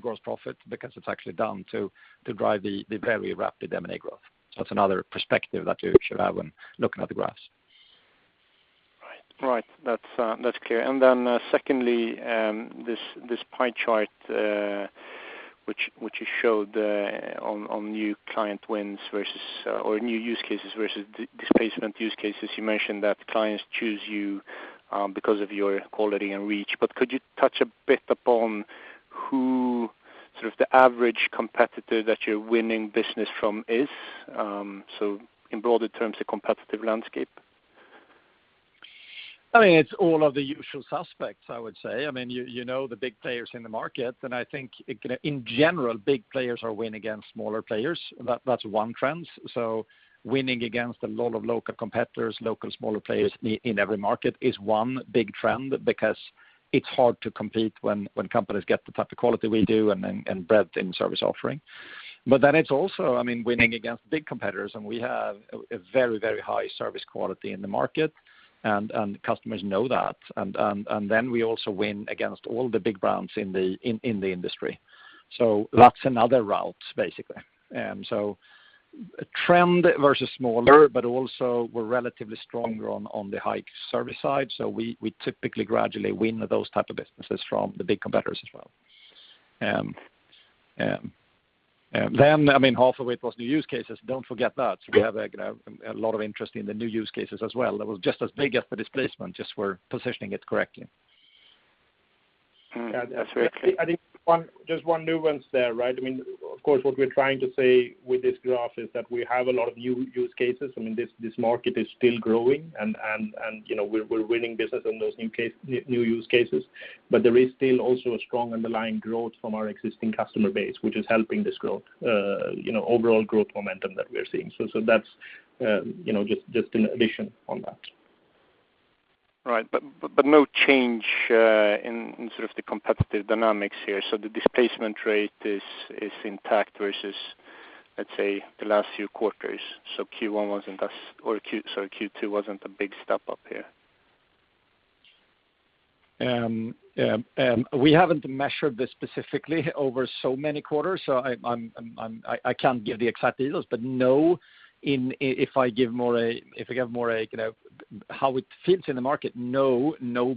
gross profit, because it's actually down to drive the very rapid M&A growth. It's another perspective that you should have when looking at the graphs. Right. That's clear. Then secondly, this pie chart, which you showed on new client wins versus, or new use cases versus displacement use cases. You mentioned that clients choose you because of your quality and reach. Could you touch a bit upon who the average competitor that you're winning business from is? In broader terms, the competitive landscape. It's all of the usual suspects, I would say. You know the big players in the market, and I think in general, big players are winning against smaller players. That's one trend. Winning against a lot of local competitors, local smaller players in every market is one big trend because it's hard to compete when companies get the type of quality we do and breadth in service offering. It's also winning against big competitors, and we have a very high service quality in the market, and customers know that. We also win against all the big brands in the industry. That's another route, basically. Trend versus smaller, but also we're relatively stronger on the high service side. We typically gradually win those type of businesses from the big competitors as well. Half of it was new use cases. Don't forget that. We have a lot of interest in the new use cases as well. That was just as big as the displacement, just we're positioning it correctly. That's very clear. I think just one nuance there. Of course, what we're trying to say with this graph is that we have a lot of new use cases. This market is still growing, we're winning business on those new use cases. There is still also a strong underlying growth from our existing customer base, which is helping this growth, overall growth momentum that we're seeing. That's just an addition on that. Right. No change in the competitive dynamics here. The displacement rate is intact versus, let's say, the last few quarters. Q2 wasn't a big step up here. We haven't measured this specifically over so many quarters, so I can't give the exact details. No, if I give more how it fits in the market, no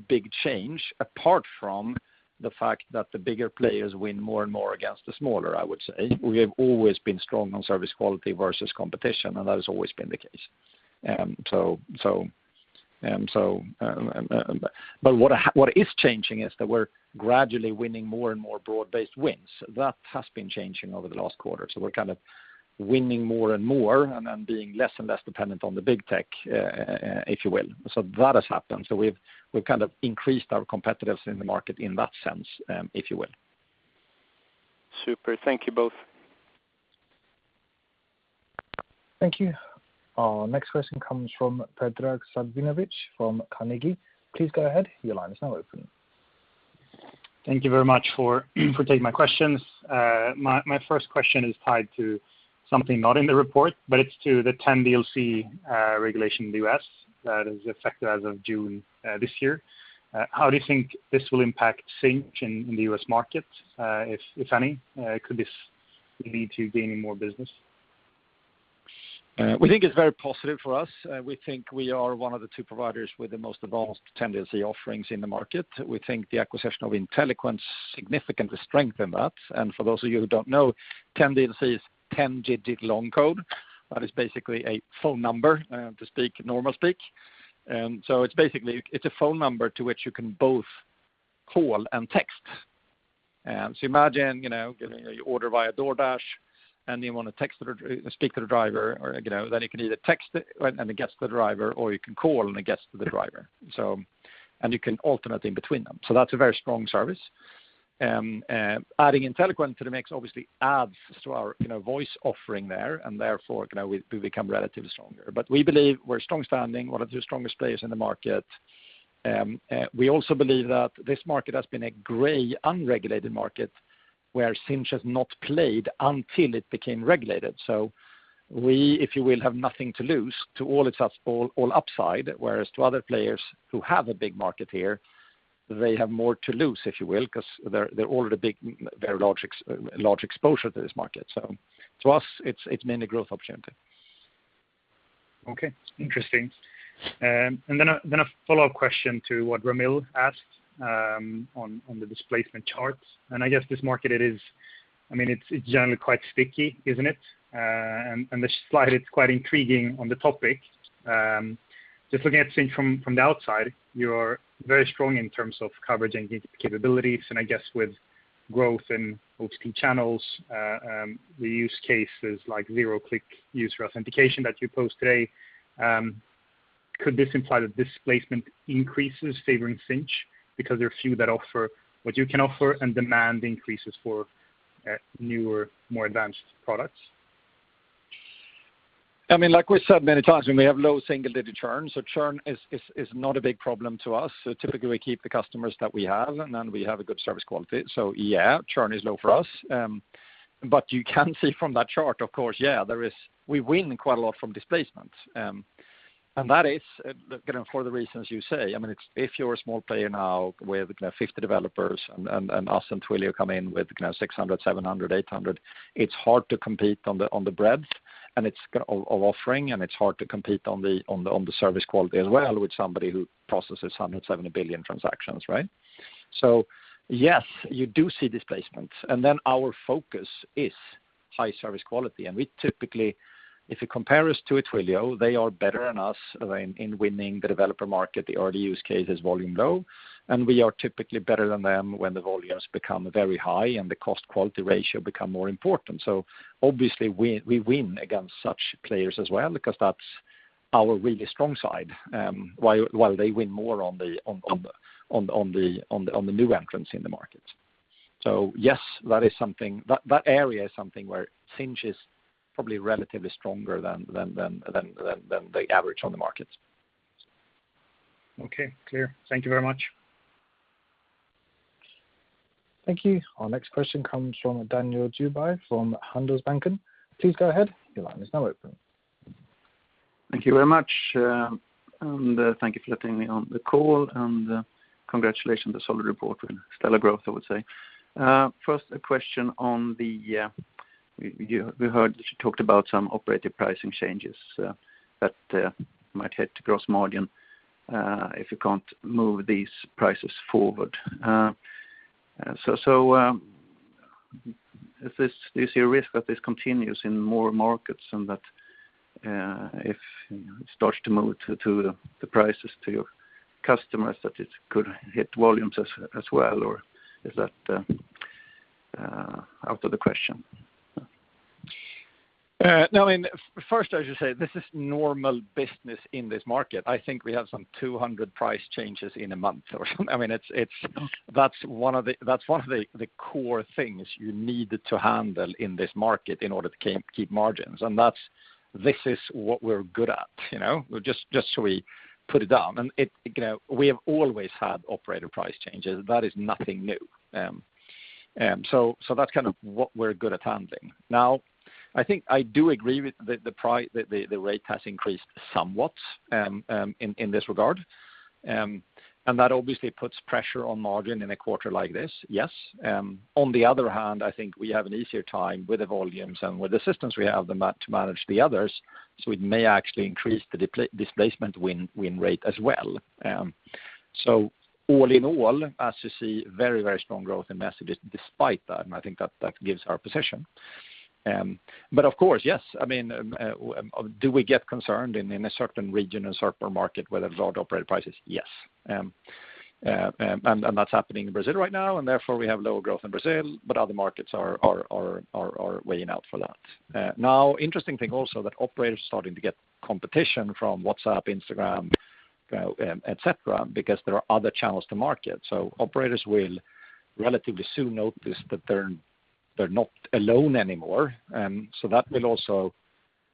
big change apart from the fact that the bigger players win more and more against the smaller, I would say. We have always been strong on service quality versus competition, and that has always been the case. What is changing is that we're gradually winning more and more broad-based wins. That has been changing over the last quarter, so we're kind of winning more and more and then being less and less dependent on the big tech, if you will. That has happened. We've increased our competitiveness in the market in that sense, if you will. Super. Thank you both. Thank you. Our next question comes from Predrag Savinovic from Carnegie. Please go ahead. Your line is now open. Thank you very much for taking my questions. My first question is tied to something not in the report, but it's to the 10DLC regulation in the U.S. that is effective as of June this year. How do you think this will impact Sinch in the U.S. market? If any, could this lead to gaining more business? We think it's very positive for us. We think we are one of the two providers with the most advanced 10DLC offerings in the market. We think the acquisition of Inteliquent significantly strengthened that. For those of you who don't know, 10DLC is 10-digit long code. That is basically a phone number to speak normal speak. It's basically a phone number to which you can both call and text. Imagine getting your order via DoorDash and you want to speak to the driver, you can either text it and it gets to the driver, or you can call and it gets to the driver. You can alternate in between them. That's a very strong service. Adding Inteliquent to the mix obviously adds to our voice offering there, and therefore, we become relatively stronger. We believe we're strong standing, one of the strongest players in the market. We also believe that this market has been a gray, unregulated market where Sinch has not played until it became regulated. We, if you will, have nothing to lose to all upside, whereas to other players who have a big market here, they have more to lose, if you will, because they already have a big, large exposure to this market. To us, it's mainly growth opportunity. Okay. Interesting. Then a follow-up question to what Ramil asked on the displacement charts, I guess this market is generally quite sticky, isn't it? This slide is quite intriguing on the topic. Looking at Sinch from the outside, you are very strong in terms of coverage and capabilities I guess with growth in OTT channels, the use cases like zero-click user authentication that you post today. Could this imply that displacement increases favoring Sinch because there are few that offer what you can offer and demand increases for newer, more advanced products? Like we've said many times, we have low single-digit churn, so churn is not a big problem to us. Typically, we keep the customers that we have, and then we have a good service quality. Yeah, churn is low for us. You can see from that chart, of course, yeah, we win quite a lot from displacement. That is for the reasons you say. If you're a small player now with 50 developers and us and Twilio come in with 600, 700, 800, it's hard to compete on the breadth of offering, and it's hard to compete on the service quality as well with somebody who processes 170 billion transactions, right? Yes, you do see displacement. Our focus is high service quality, and we typically, if you compare us to Twilio, they are better than us in winning the developer market. They already use cases volume low, and we are typically better than them when the volumes become very high and the cost-quality ratio become more important. Obviously we win against such players as well because that's our really strong side, while they win more on the new entrants in the market. Yes, that area is something where Sinch is probably relatively stronger than the average on the market. Okay. Clear. Thank you very much. Thank you. Our next question comes from Daniel Djurberg from Handelsbanken. Please go ahead. Your line is now open. Thank you very much. Thank you for letting me on the call, and congratulations on the solid report with stellar growth, I would say. First, a question on the, we heard that you talked about some operator pricing changes that might hit the gross margin if you can't move these prices forward. Is there a risk that this continues in more markets, and that if it starts to move the prices to your customers, that it could hit volumes as well, or is that out of the question? No, first, I should say this is normal business in this market. I think we have some 200 price changes in a month or something. That's one of the core things you need to handle in this market in order to keep margins, and this is what we're good at, just so we put it down. We have always had operator price changes. That is nothing new. That's what we're good at handling. Now, I think I do agree with the rate has increased somewhat in this regard. That obviously puts pressure on margin in a quarter like this, yes. On the other hand, I think we have an easier time with the volumes and with the systems we have to manage the others, so it may actually increase the displacement win rate as well. All in all, as you see, very strong growth in messages despite that, and I think that gives our position. Of course, yes. Do we get concerned in a certain region or certain market where there's a lot of operator prices? Yes. That's happening in Brazil right now, and therefore we have lower growth in Brazil, but other markets are weighing out for that. Interesting thing also that operators are starting to get competition from WhatsApp, Instagram, et cetera, because there are other channels to market. Operators will relatively soon notice that they're not alone anymore. That will also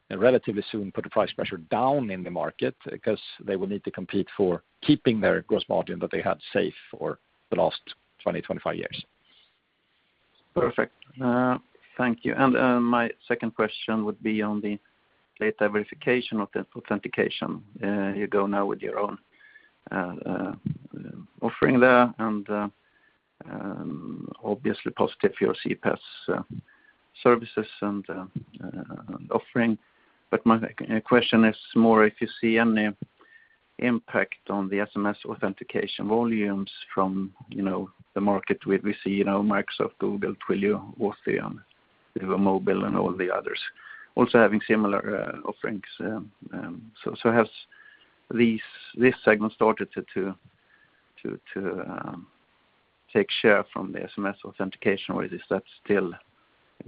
relatively soon put the price pressure down in the market because they will need to compete for keeping their gross margin that they had safe for the last 20, 25 years. Perfect. Thank you. My second question would be on the Data Verification authentication. You go now with your own offering there, and obviously positive for your CPaaS services and offering. My question is more if you see any impact on the SMS authentication volumes from the market where we see Microsoft, Google, Twilio, Auth0, Duo Mobile, and all the others also having similar offerings. Has this segment started to take share from the SMS authentication, or is that still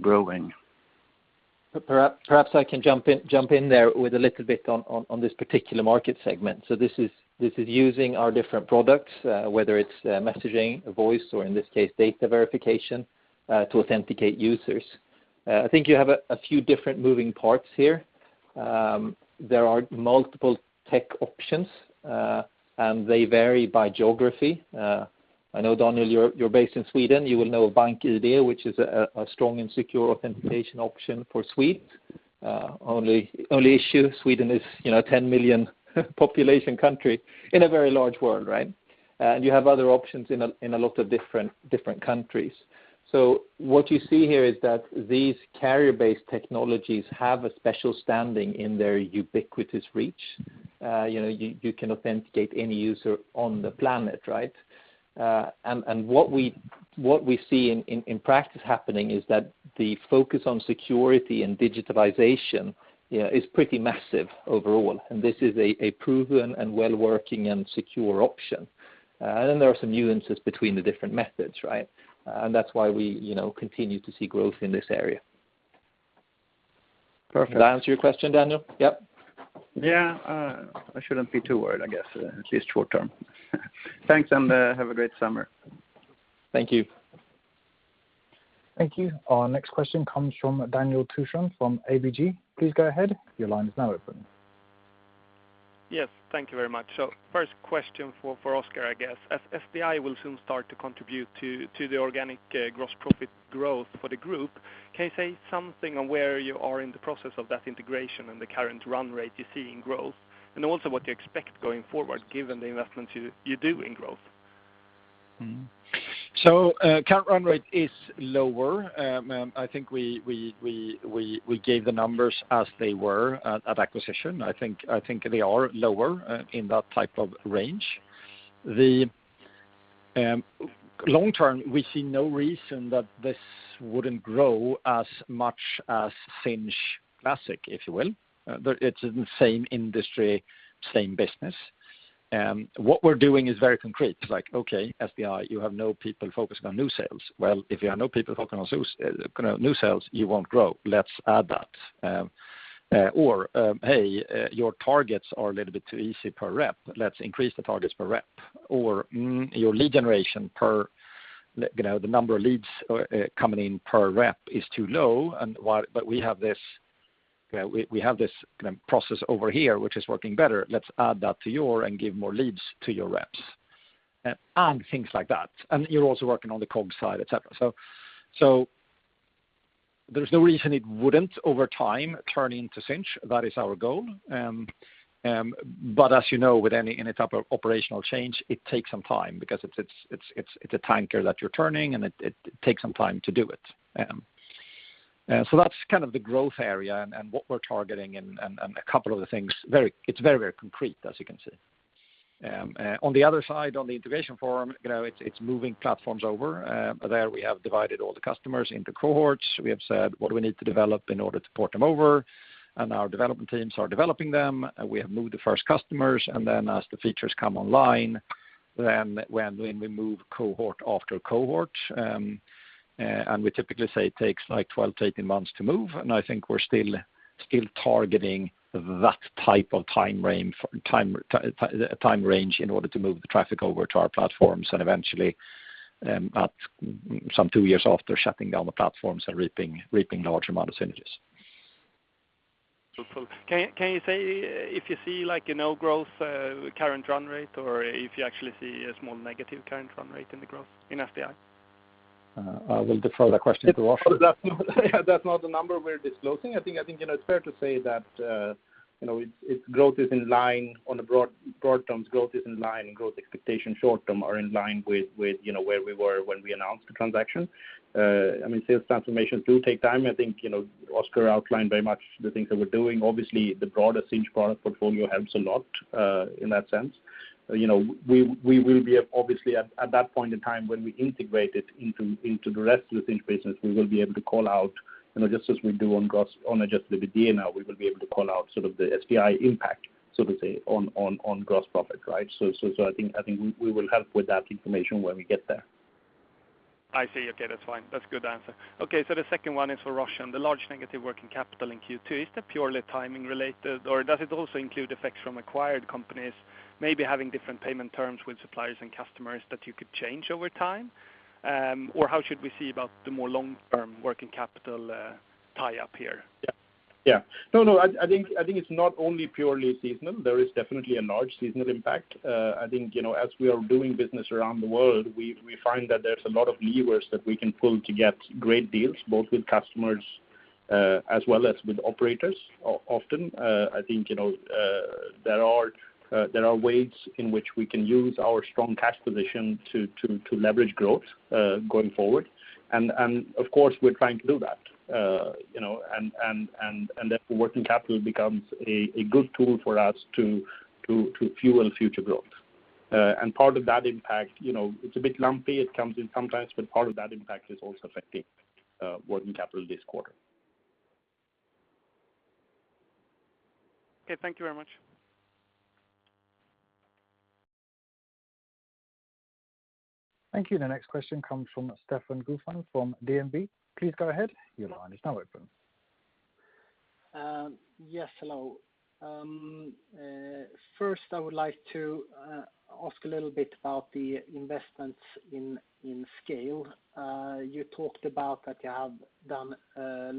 growing? Perhaps I can jump in there with a little bit on this particular market segment. This is using our different products, whether it's messaging, voice, or in this case, Data Verification, to authenticate users. I think you have a few different moving parts here. There are multiple tech options, and they vary by geography. I know, Daniel, you're based in Sweden. You will know BankID, which is a strong and secure authentication option for Swedes. Only issue, Sweden is 10 million population country in a very large world. You have other options in a lot of different countries. What you see here is that these carrier-based technologies have a special standing in their ubiquitous reach. You can authenticate any user on the planet. What we see in practice happening is that the focus on security and digitalization is pretty massive overall, and this is a proven and well-working and secure option. Then there are some nuances between the different methods. That's why we continue to see growth in this area. Perfect. Did I answer your question, Daniel? Yep. Yeah. I shouldn't be too worried, I guess, at least short term. Thanks, and have a great summer. Thank you. Thank you. Our next question comes from Daniel Thorsson from ABG. Please go ahead. Yes. Thank you very much. First question for Oscar, I guess. As SDI will soon start to contribute to the organic gross profit growth for the group, can you say something on where you are in the process of that integration and the current run rate you see in growth? Also what you expect going forward, given the investments you do in growth. Current run rate is lower. I think we gave the numbers as they were at acquisition. I think they are lower in that type of range. The long-term, we see no reason that this wouldn't grow as much as Sinch Classic, if you will. It's in the same industry, same business. What we're doing is very concrete. Okay, SDI, you have no people focusing on new sales. If you have no people focusing on new sales, you won't grow. Let's add that. Hey, your targets are a little bit too easy per rep. Let's increase the targets per rep. Your lead generation per the number of leads coming in per rep is too low, but we have this process over here, which is working better. Let's add that to your and give more leads to your reps, and things like that. You're also working on the COGS side, et cetera. There's no reason it wouldn't over time turn into Sinch. That is our goal. As you know, with any type of operational change, it takes some time because it's a tanker that you're turning, and it takes some time to do it. That's the growth area and what we're targeting and a couple of the things. It's very concrete, as you can see. On the other side, on the integration forum, it's moving platforms over. We have divided all the customers into cohorts. We have said what do we need to develop in order to port them over, and our development teams are developing them. We have moved the first customers, and then as the features come online, then we move cohort after cohort. We typically say it takes 12-18 months to move, and I think we're still targeting that type of time range in order to move the traffic over to our platforms, and eventually, at some two years after shutting down the platforms and reaping large amounts of synergies. Hopeful. Can you say if you see a no growth current run rate, or if you actually see a small negative current run rate in the growth in FTI? I will defer that question to Roshan. That's not the number we're disclosing. I think it's fair to say that growth is in line on the broad terms, growth is in line, and growth expectations short-term are in line with where we were when we announced the transaction. Sales transformations do take time. I think Oscar outlined very much the things that we're doing. Obviously, the broader Sinch product portfolio helps a lot in that sense. We will be, obviously, at that point in time when we integrate it into the rest of the Sinch business, we will be able to call out, just as we do on adjusted EBITDA now, we will be able to call out the FTI impact, so to say, on gross profit, right? I think we will help with that information when we get there. I see. Okay. That's fine. That's a good answer. The second one is for Roshan. The large negative working capital in Q2, is that purely timing related, or does it also include effects from acquired companies maybe having different payment terms with suppliers and customers that you could change over time? Or how should we see about the more long-term working capital tie-up here? No, I think it's not only purely seasonal. There is definitely a large seasonal impact. I think, as we are doing business around the world, we find that there's a lot of levers that we can pull to get great deals, both with customers, as well as with operators, often. I think, there are ways in which we can use our strong cash position to leverage growth, going forward. Of course, we're trying to do that. Therefore, working capital becomes a good tool for us to fuel future growth. Part of that impact, it's a bit lumpy, it comes in sometimes, but part of that impact is also affecting working capital this quarter. Okay. Thank you very much. Thank you. The next question comes from Stefan Gauffin from DNB. Please go ahead. Your line is now open. Hello. First I would like to ask a little bit about the investments in scale. You talked about that you have done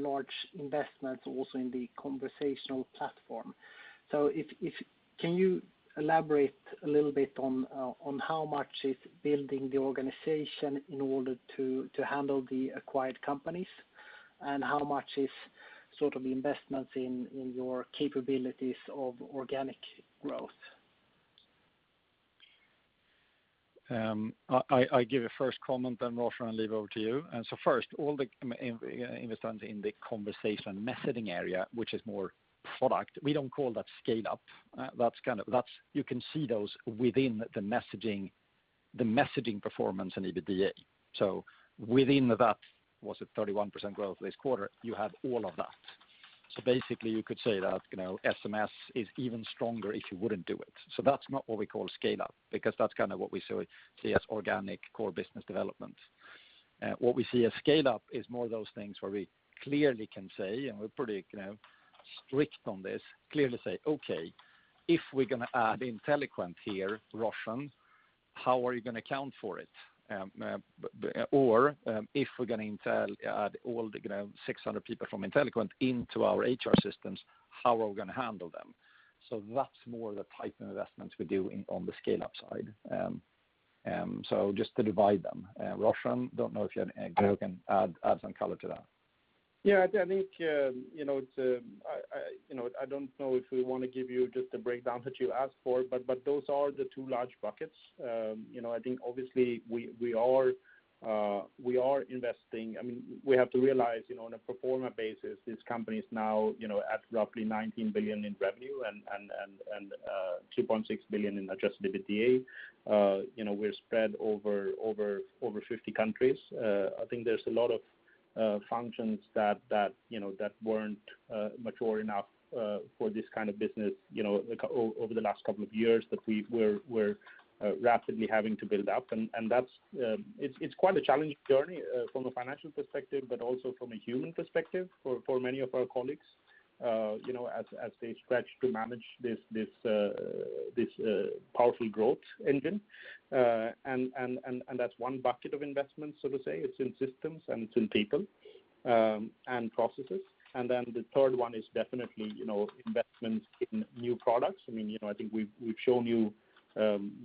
large investments also in the Conversation Platform. Can you elaborate a little bit on how much is building the organization in order to handle the acquired companies, and how much is investments in your capabilities of organic growth? I give a first comment, then Roshan, I'll leave it over to you. First, all the investments in the conversation messaging area, which is more product, we don't call that scale up. You can see those within the messaging performance and EBITDA. Within that, was it 31% growth this quarter? You have all of that. Basically you could say that SMS is even stronger if you wouldn't do it. That's not what we call scale up, because that's what we see as organic core business development. What we see as scale up is more of those things where we clearly can say, and we're pretty strict on this, clearly say, "Okay, if we're going to add Inteliquent here, Roshan, how are you going to account for it?" "If we're going to add all the 600 people from Inteliquent into our HR systems, how are we going to handle them?" That's more the type of investments we do on the scale up side. Just to divide them. Roshan, don't know if you have anything you can add some color to that. Yeah, I think, I don't know if we want to give you just the breakdown that you asked for, but those are the two large buckets. I think, obviously, we are investing. We have to realize, on a pro forma basis, this company is now at roughly 19 billion in revenue and 2.6 billion in adjusted EBITDA. We're spread over 50 countries. I think there's a lot of functions that weren't mature enough for this kind of business, over the last couple of years that we're rapidly having to build up, and it's quite a challenging journey from a financial perspective, but also from a human perspective for many of our colleagues, as they stretch to manage this powerful growth engine. That's one bucket of investment, so to say, it's in systems and it's in people, and processes. The third one is definitely investments in new products. I think we've shown you,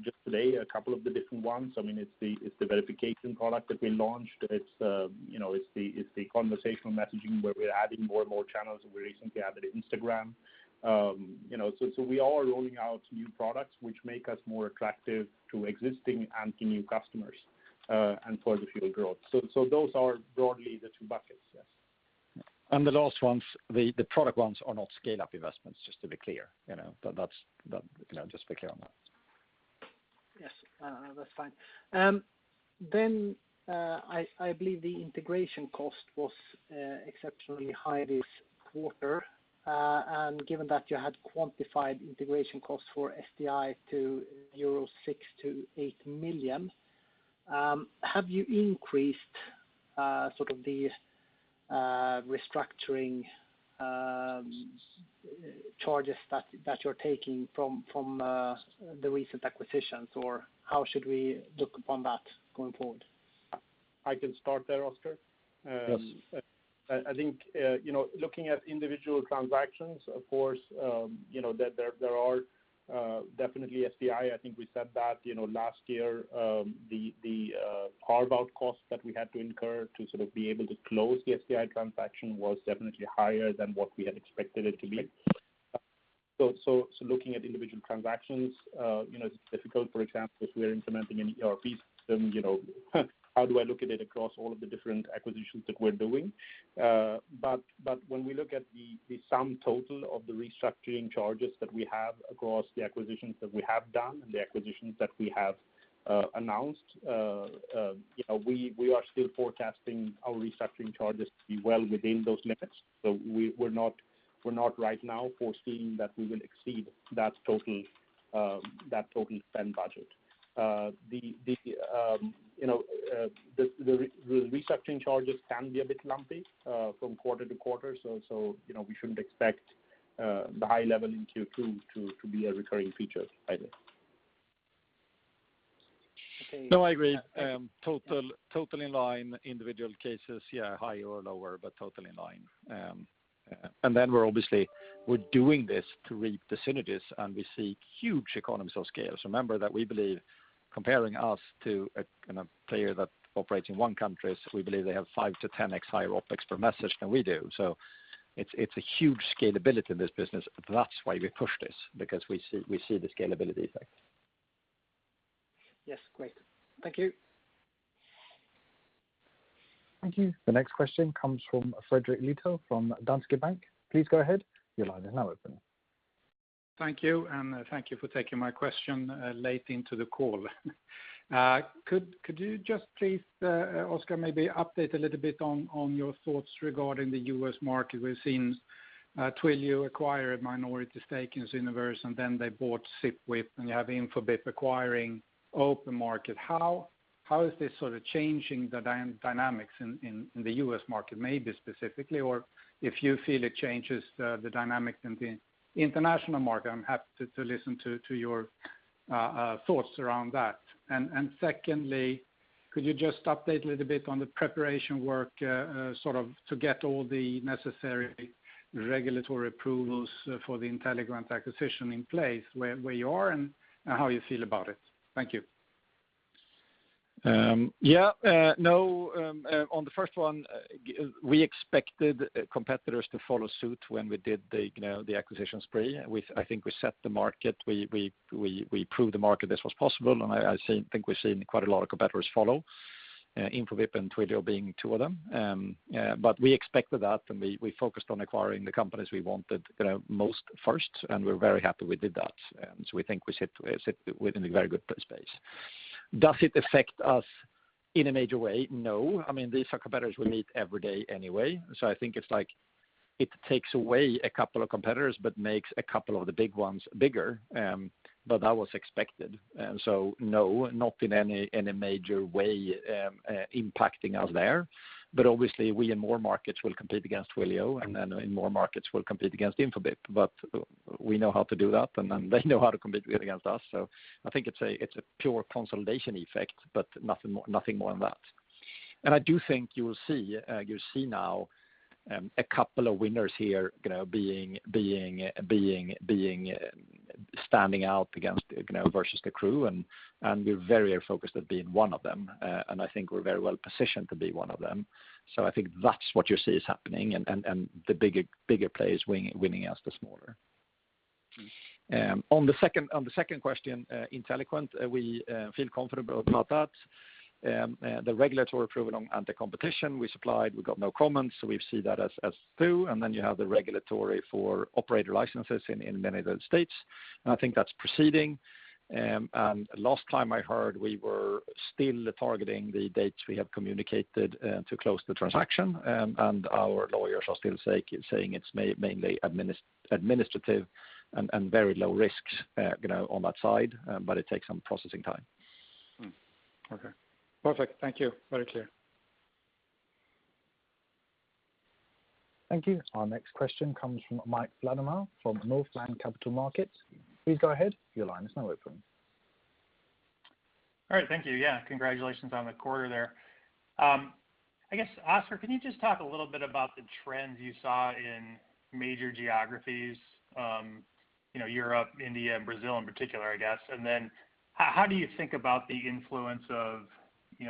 just today, a couple of the different ones. It's the verification product that we launched. It's the conversational messaging where we're adding more and more channels, and we recently added Instagram. We are rolling out new products which make us more attractive to existing and to new customers, and further fuel growth. Those are broadly the two buckets, yes. The last ones, the product ones are not scale-up investments, just to be clear. Just be clear on that. Yes. That's fine. I believe the integration cost was exceptionally high this quarter. Given that you had quantified integration costs for FTI to 6 million-8 million euro, have you increased the restructuring charges that you're taking from the recent acquisitions, or how should we look upon that going forward? I can start there, Oscar. Yes. I think, looking at individual transactions, of course, there are definitely SDI, I think we said that last year. The carve-out cost that we had to incur to be able to close the SDI transaction was definitely higher than what we had expected it to be. Looking at individual transactions, it's difficult. For example, if we're implementing an ERP system, how do I look at it across all of the different acquisitions that we're doing? When we look at the sum total of the restructuring charges that we have across the acquisitions that we have done and the acquisitions that we have announced, we are still forecasting our restructuring charges to be well within those limits. We're not right now foreseeing that we will exceed that total spend budget. The restructuring charges can be a bit lumpy from quarter to quarter, so we shouldn't expect the high level in Q2 to be a recurring feature either. No, I agree. Totally in line. Individual cases, higher or lower, but totally in line. Then we're obviously doing this to reap the synergies, and we see huge economies of scale. Remember that we believe comparing us to a player that operates in one country, we believe they have 5X-10X higher OpEx per message than we do. It's a huge scalability in this business. That's why we push this, because we see the scalability effect. Yes, great. Thank you. Thank you. The next question comes from Fredrik Lithell from Danske Bank. Please go ahead. Thank you, and thank you for taking my question late into the call. Could you just please, Oscar, maybe update a little bit on your thoughts regarding the U.S. market? We've seen Twilio acquire a minority stake in Syniverse, and then they bought Zipwhip, and you have Infobip acquiring OpenMarket. How is this changing the dynamics in the U.S. market, maybe specifically, or if you feel it changes the dynamics in the international market, I'm happy to listen to your thoughts around that. Secondly, could you just update a little bit on the preparation work to get all the necessary regulatory approvals for the Inteliquent acquisition in place, where you are and how you feel about it? Thank you. Yeah. On the first one, we expected competitors to follow suit when we did the acquisition spree. I think we set the market. We proved to the market this was possible, and I think we've seen quite a lot of competitors follow, Infobip and Twilio being two of them. We expected that, and we focused on acquiring the companies we wanted most first, and we're very happy we did that. We think we sit within a very good space. Does it affect us in a major way? No. These are competitors we meet every day anyway, so I think it takes away a couple of competitors but makes a couple of the big ones bigger. That was expected. No, not in any major way impacting us there. Obviously, we in more markets will compete against Twilio, and then in more markets will compete against Infobip. We know how to do that, they know how to compete against us. I think it's a pure consolidation effect, nothing more than that. I do think you will see now a couple of winners here being standing out against versus the crew, and we're very focused on being one of them. I think we're very well positioned to be one of them. I think that's what you see is happening, the bigger players winning against the smaller. On the second question, Inteliquent, we feel comfortable about that. The regulatory approval and the competition we supplied, we got no comments, we see that as two. You have the regulatory for operator licenses in many of the states, I think that's proceeding. Last time I heard, we were still targeting the dates we have communicated to close the transaction, and our lawyers are still saying it is mainly administrative and very low risks on that side, but it takes some processing time. Okay. Perfect. Thank you. Very clear. Thank you. Our next question comes from Mike Latimore from Northland Capital Markets. Please go ahead. All right. Thank you. Yeah, congratulations on the quarter there. I guess, Oscar, can you just talk a little bit about the trends you saw in major geographies, Europe, India, and Brazil in particular, I guess? How do you think about the influence of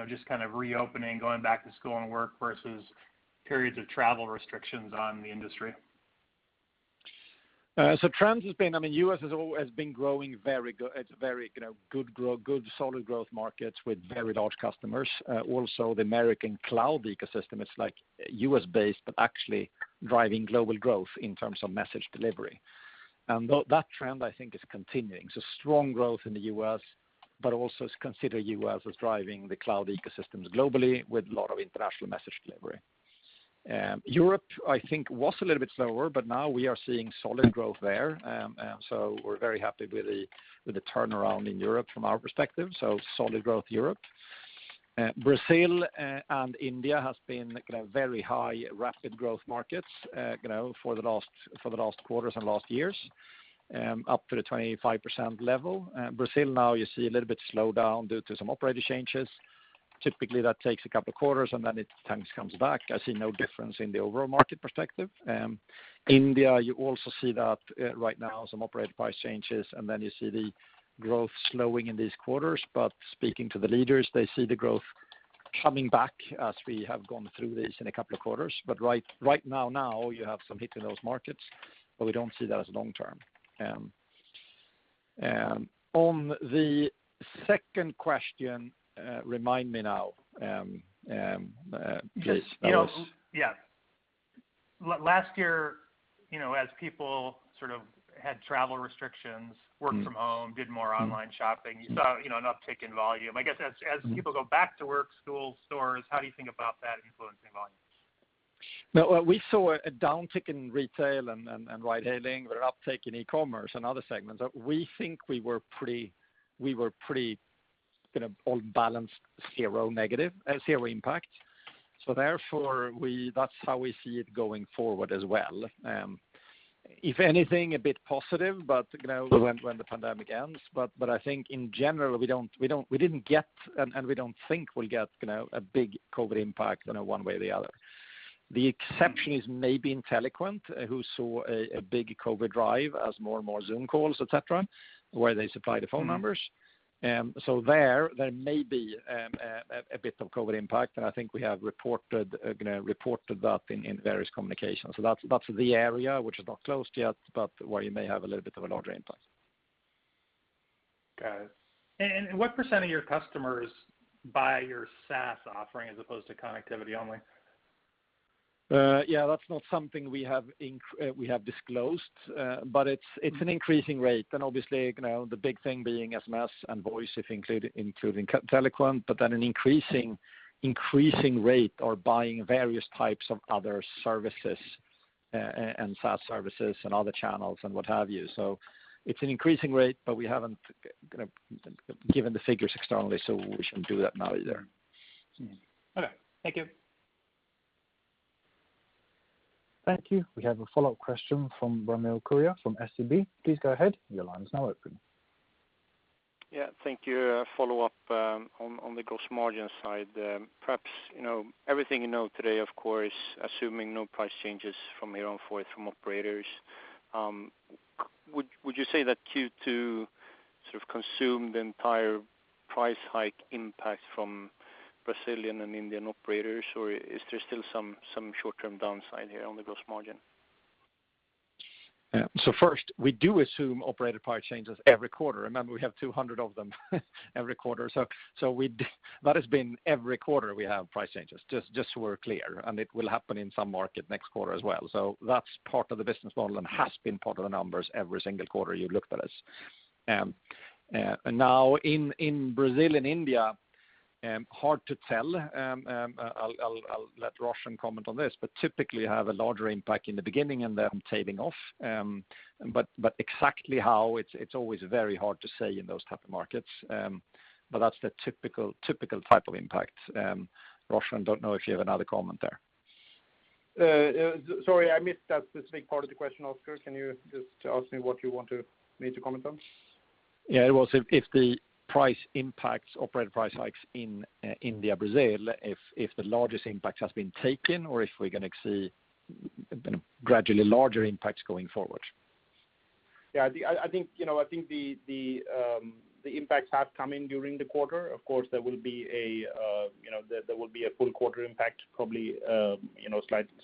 just reopening, going back to school and work versus periods of travel restrictions on the industry? U.S. has been growing very good. It's a very good, solid growth market with very large customers. Also, the American cloud ecosystem is U.S.-based, but actually driving global growth in terms of message delivery. That trend, I think, is continuing. Strong growth in the U.S., but also consider U.S. as driving the cloud ecosystems globally with a lot of international message delivery. Europe, I think, was a little bit slower, but now we are seeing solid growth there. We're very happy with the turnaround in Europe from our perspective. Solid growth Europe. Brazil and India has been very high, rapid growth markets for the last quarters and last years, up to the 25% level. Brazil now you see a little bit slowdown due to some operator changes. Typically that takes a couple of quarters and then it sometimes comes back. I see no difference in the overall market perspective. India, you also see that right now, some operator price changes, and then you see the growth slowing in these quarters. Speaking to the leaders, they see the growth coming back as we have gone through this in a couple of quarters. Right now, you have some hit in those markets, but we don't see that as long-term. On the second question, remind me now, please, Thomas. Yeah. Last year, as people had travel restrictions, worked from home, did more online shopping, you saw an uptick in volume. I guess as people go back to work, school, stores, how do you think about that influencing volumes? We saw a downtick in retail and ride hailing, but an uptick in e-commerce and other segments. We think we were pretty all balanced zero negative, zero impact. Therefore, that's how we see it going forward as well. If anything, a bit positive, but when the pandemic ends. I think in general, we didn't get, and we don't think we'll get, a big COVID impact one way or the other. The exception is maybe Inteliquent, who saw a big COVID drive as more and more Zoom calls, et cetera, where they supply the phone numbers. There, there may be a bit of COVID impact, and I think we have reported that in various communications. That's the area which is not closed yet, but where you may have a little bit of a larger impact. Got it. What % of your customers buy your SaaS offering as opposed to connectivity only? Yeah, that's not something we have disclosed. It's an increasing rate, and obviously, the big thing being SMS and voice, if including Inteliquent, but at an increasing rate are buying various types of other services and SaaS services and other channels and what have you. It's an increasing rate, but we haven't given the figures externally, so we shouldn't do that now either. Okay. Thank you. Thank you. We have a follow-up question from Ramil Koria from SEB. Please go ahead. Your line is now open. Yeah. Thank you. A follow-up on the gross margin side. Perhaps everything you know today, of course, assuming no price changes from here on forth from operators. Would you say that Q2 consumed the entire price hike impact from Brazilian and Indian operators, or is there still some short-term downside here on the gross margin? Yeah. First, we do assume operator price changes every quarter. Remember, we have 200 of them every quarter. That has been every quarter we have price changes, just so we're clear, and it will happen in some market next quarter as well. That's part of the business model and has been part of the numbers every single quarter you've looked at us. Now, in Brazil, in India, hard to tell. I'll let Roshan comment on this. Typically, you have a larger impact in the beginning and then tapering off. Exactly how, it's always very hard to say in those type of markets. That's the typical type of impact. Roshan, don't know if you have another comment there. Sorry, I missed that specific part of the question, Oscar. Can you just ask me what you want me to comment on? Yeah. It was if the price impacts, operator price hikes in India, Brazil, if the largest impact has been taken, or if we're going to see gradually larger impacts going forward? I think the impact has come in during the quarter. Of course, there will be a full quarter impact probably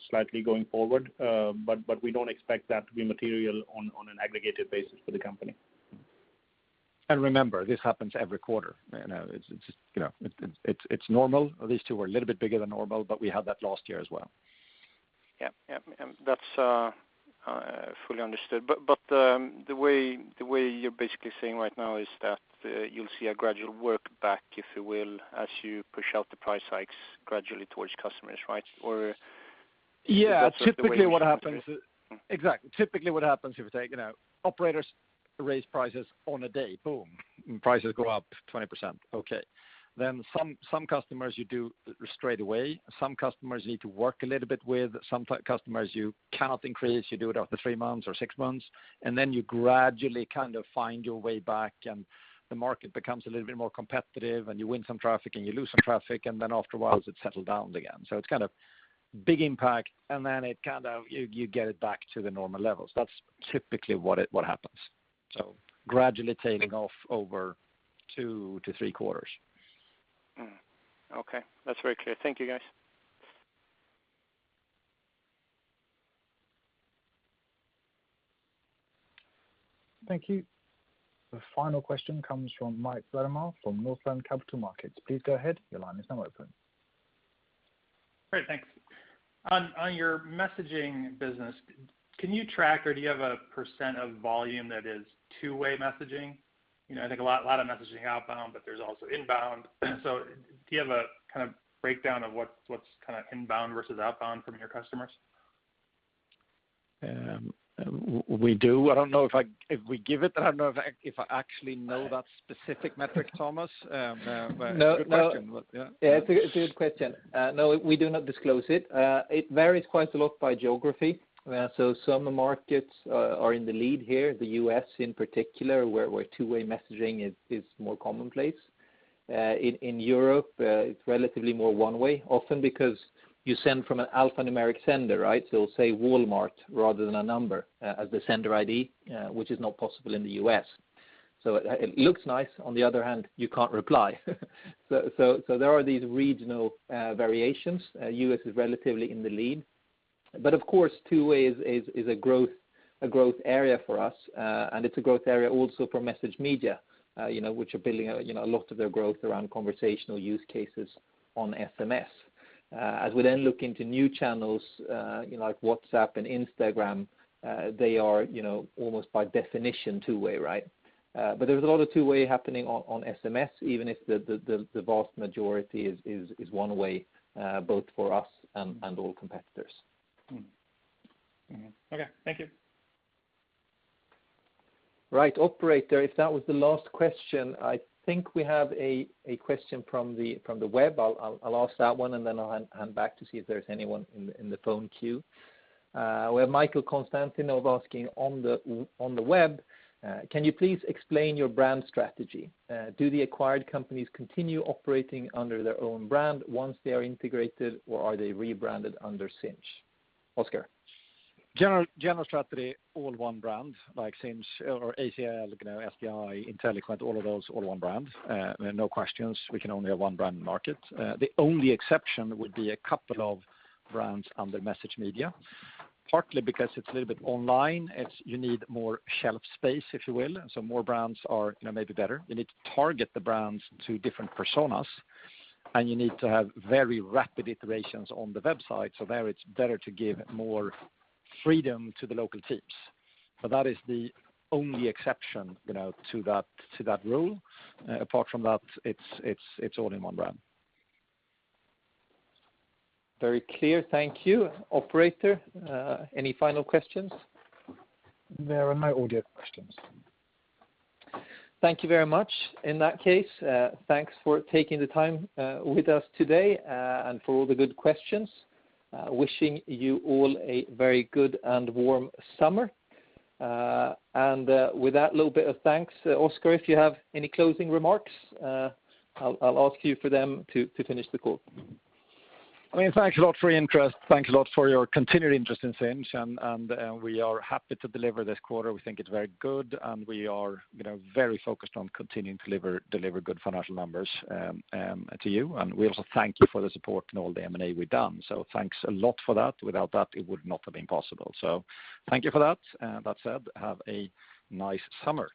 slightly going forward. We don't expect that to be material on an aggregated basis for the company. Remember, this happens every quarter. It's normal. These two were a little bit bigger than normal. We had that last year as well. Yeah. That's fully understood. The way you're basically saying right now is that you'll see a gradual work back, if you will, as you push out the price hikes gradually towards customers, right? Or is that the way you see it? Yeah, exactly. Typically, what happens, if you take operators raise prices on a day, boom. Prices go up 20%. Okay. Some customers you do straight away, some customers you need to work a little bit with, some customers you cannot increase, you do it after three months or six months, and then you gradually find your way back, and the market becomes a little bit more competitive, and you win some traffic, and you lose some traffic, and then after a while, it's settled down again. It's kind of big impact, and then you get it back to the normal levels. That's typically what happens. Gradually tapering off over two to three quarters. Okay. That's very clear. Thank you, guys. Thank you. The final question comes from Mike Latimore from Northland Capital Markets. Please go ahead. Your line is now open. Great. Thanks. On your messaging business, can you track or do you have a % of volume that is two-way messaging? I think a lot of messaging outbound, but there's also inbound. Do you have a breakdown of what's inbound versus outbound from your customers? We do. I don't know if we give it. I don't know if I actually know that specific metric, Thomas. Good question. No. Yeah. It's a good question. No, we do not disclose it. It varies quite a lot by geography. Some markets are in the lead here, the U.S. in particular, where two-way messaging is more commonplace. In Europe, it's relatively more one-way, often because you send from an alphanumeric sender, right? It'll say Walmart rather than a number as the sender ID, which is not possible in the U.S. It looks nice. On the other hand, you can't reply. There are these regional variations. U.S. is relatively in the lead. Of course, two-way is a growth area for us, and it's a growth area also for MessageMedia which are building a lot of their growth around conversational use cases on SMS. As we then look into new channels like WhatsApp and Instagram, they are almost by definition two-way, right? There's a lot of two-way happening on SMS, even if the vast majority is one-way, both for us and all competitors. Okay. Thank you. Right. Operator, if that was the last question, I think we have a question from the web. I'll ask that one, and then I'll hand back to see if there's anyone in the phone queue. We have Michael Constantinov asking on the web, "Can you please explain your brand strategy? Do the acquired companies continue operating under their own brand once they are integrated, or are they rebranded under Sinch?" Oscar. General strategy, all one brand, like Sinch or ACL, SDI, Inteliquent, all of those, all one brand. No questions, we can only have one brand in the market. The only exception would be a couple of brands under MessageMedia, partly because it's a little bit online. You need more shelf space, if you will. More brands are maybe better. You need to target the brands to different personas, and you need to have very rapid iterations on the website. There, it's better to give more freedom to the local teams. But that is the only exception to that rule. Apart from that, it's all in one brand. Very clear. Thank you. Operator, any final questions? There are no audio questions. Thank you very much. In that case, thanks for taking the time with us today, and for all the good questions. Wishing you all a very good and warm summer. With that little bit of thanks, Oscar, if you have any closing remarks, I'll ask you for them to finish the call. Thanks a lot for your interest. Thanks a lot for your continued interest in Sinch, and we are happy to deliver this quarter. We think it's very good, and we are very focused on continuing to deliver good financial numbers to you. We also thank you for the support in all the M&A we've done. Thanks a lot for that. Without that, it would not have been possible. Thank you for that. That said, have a nice summer.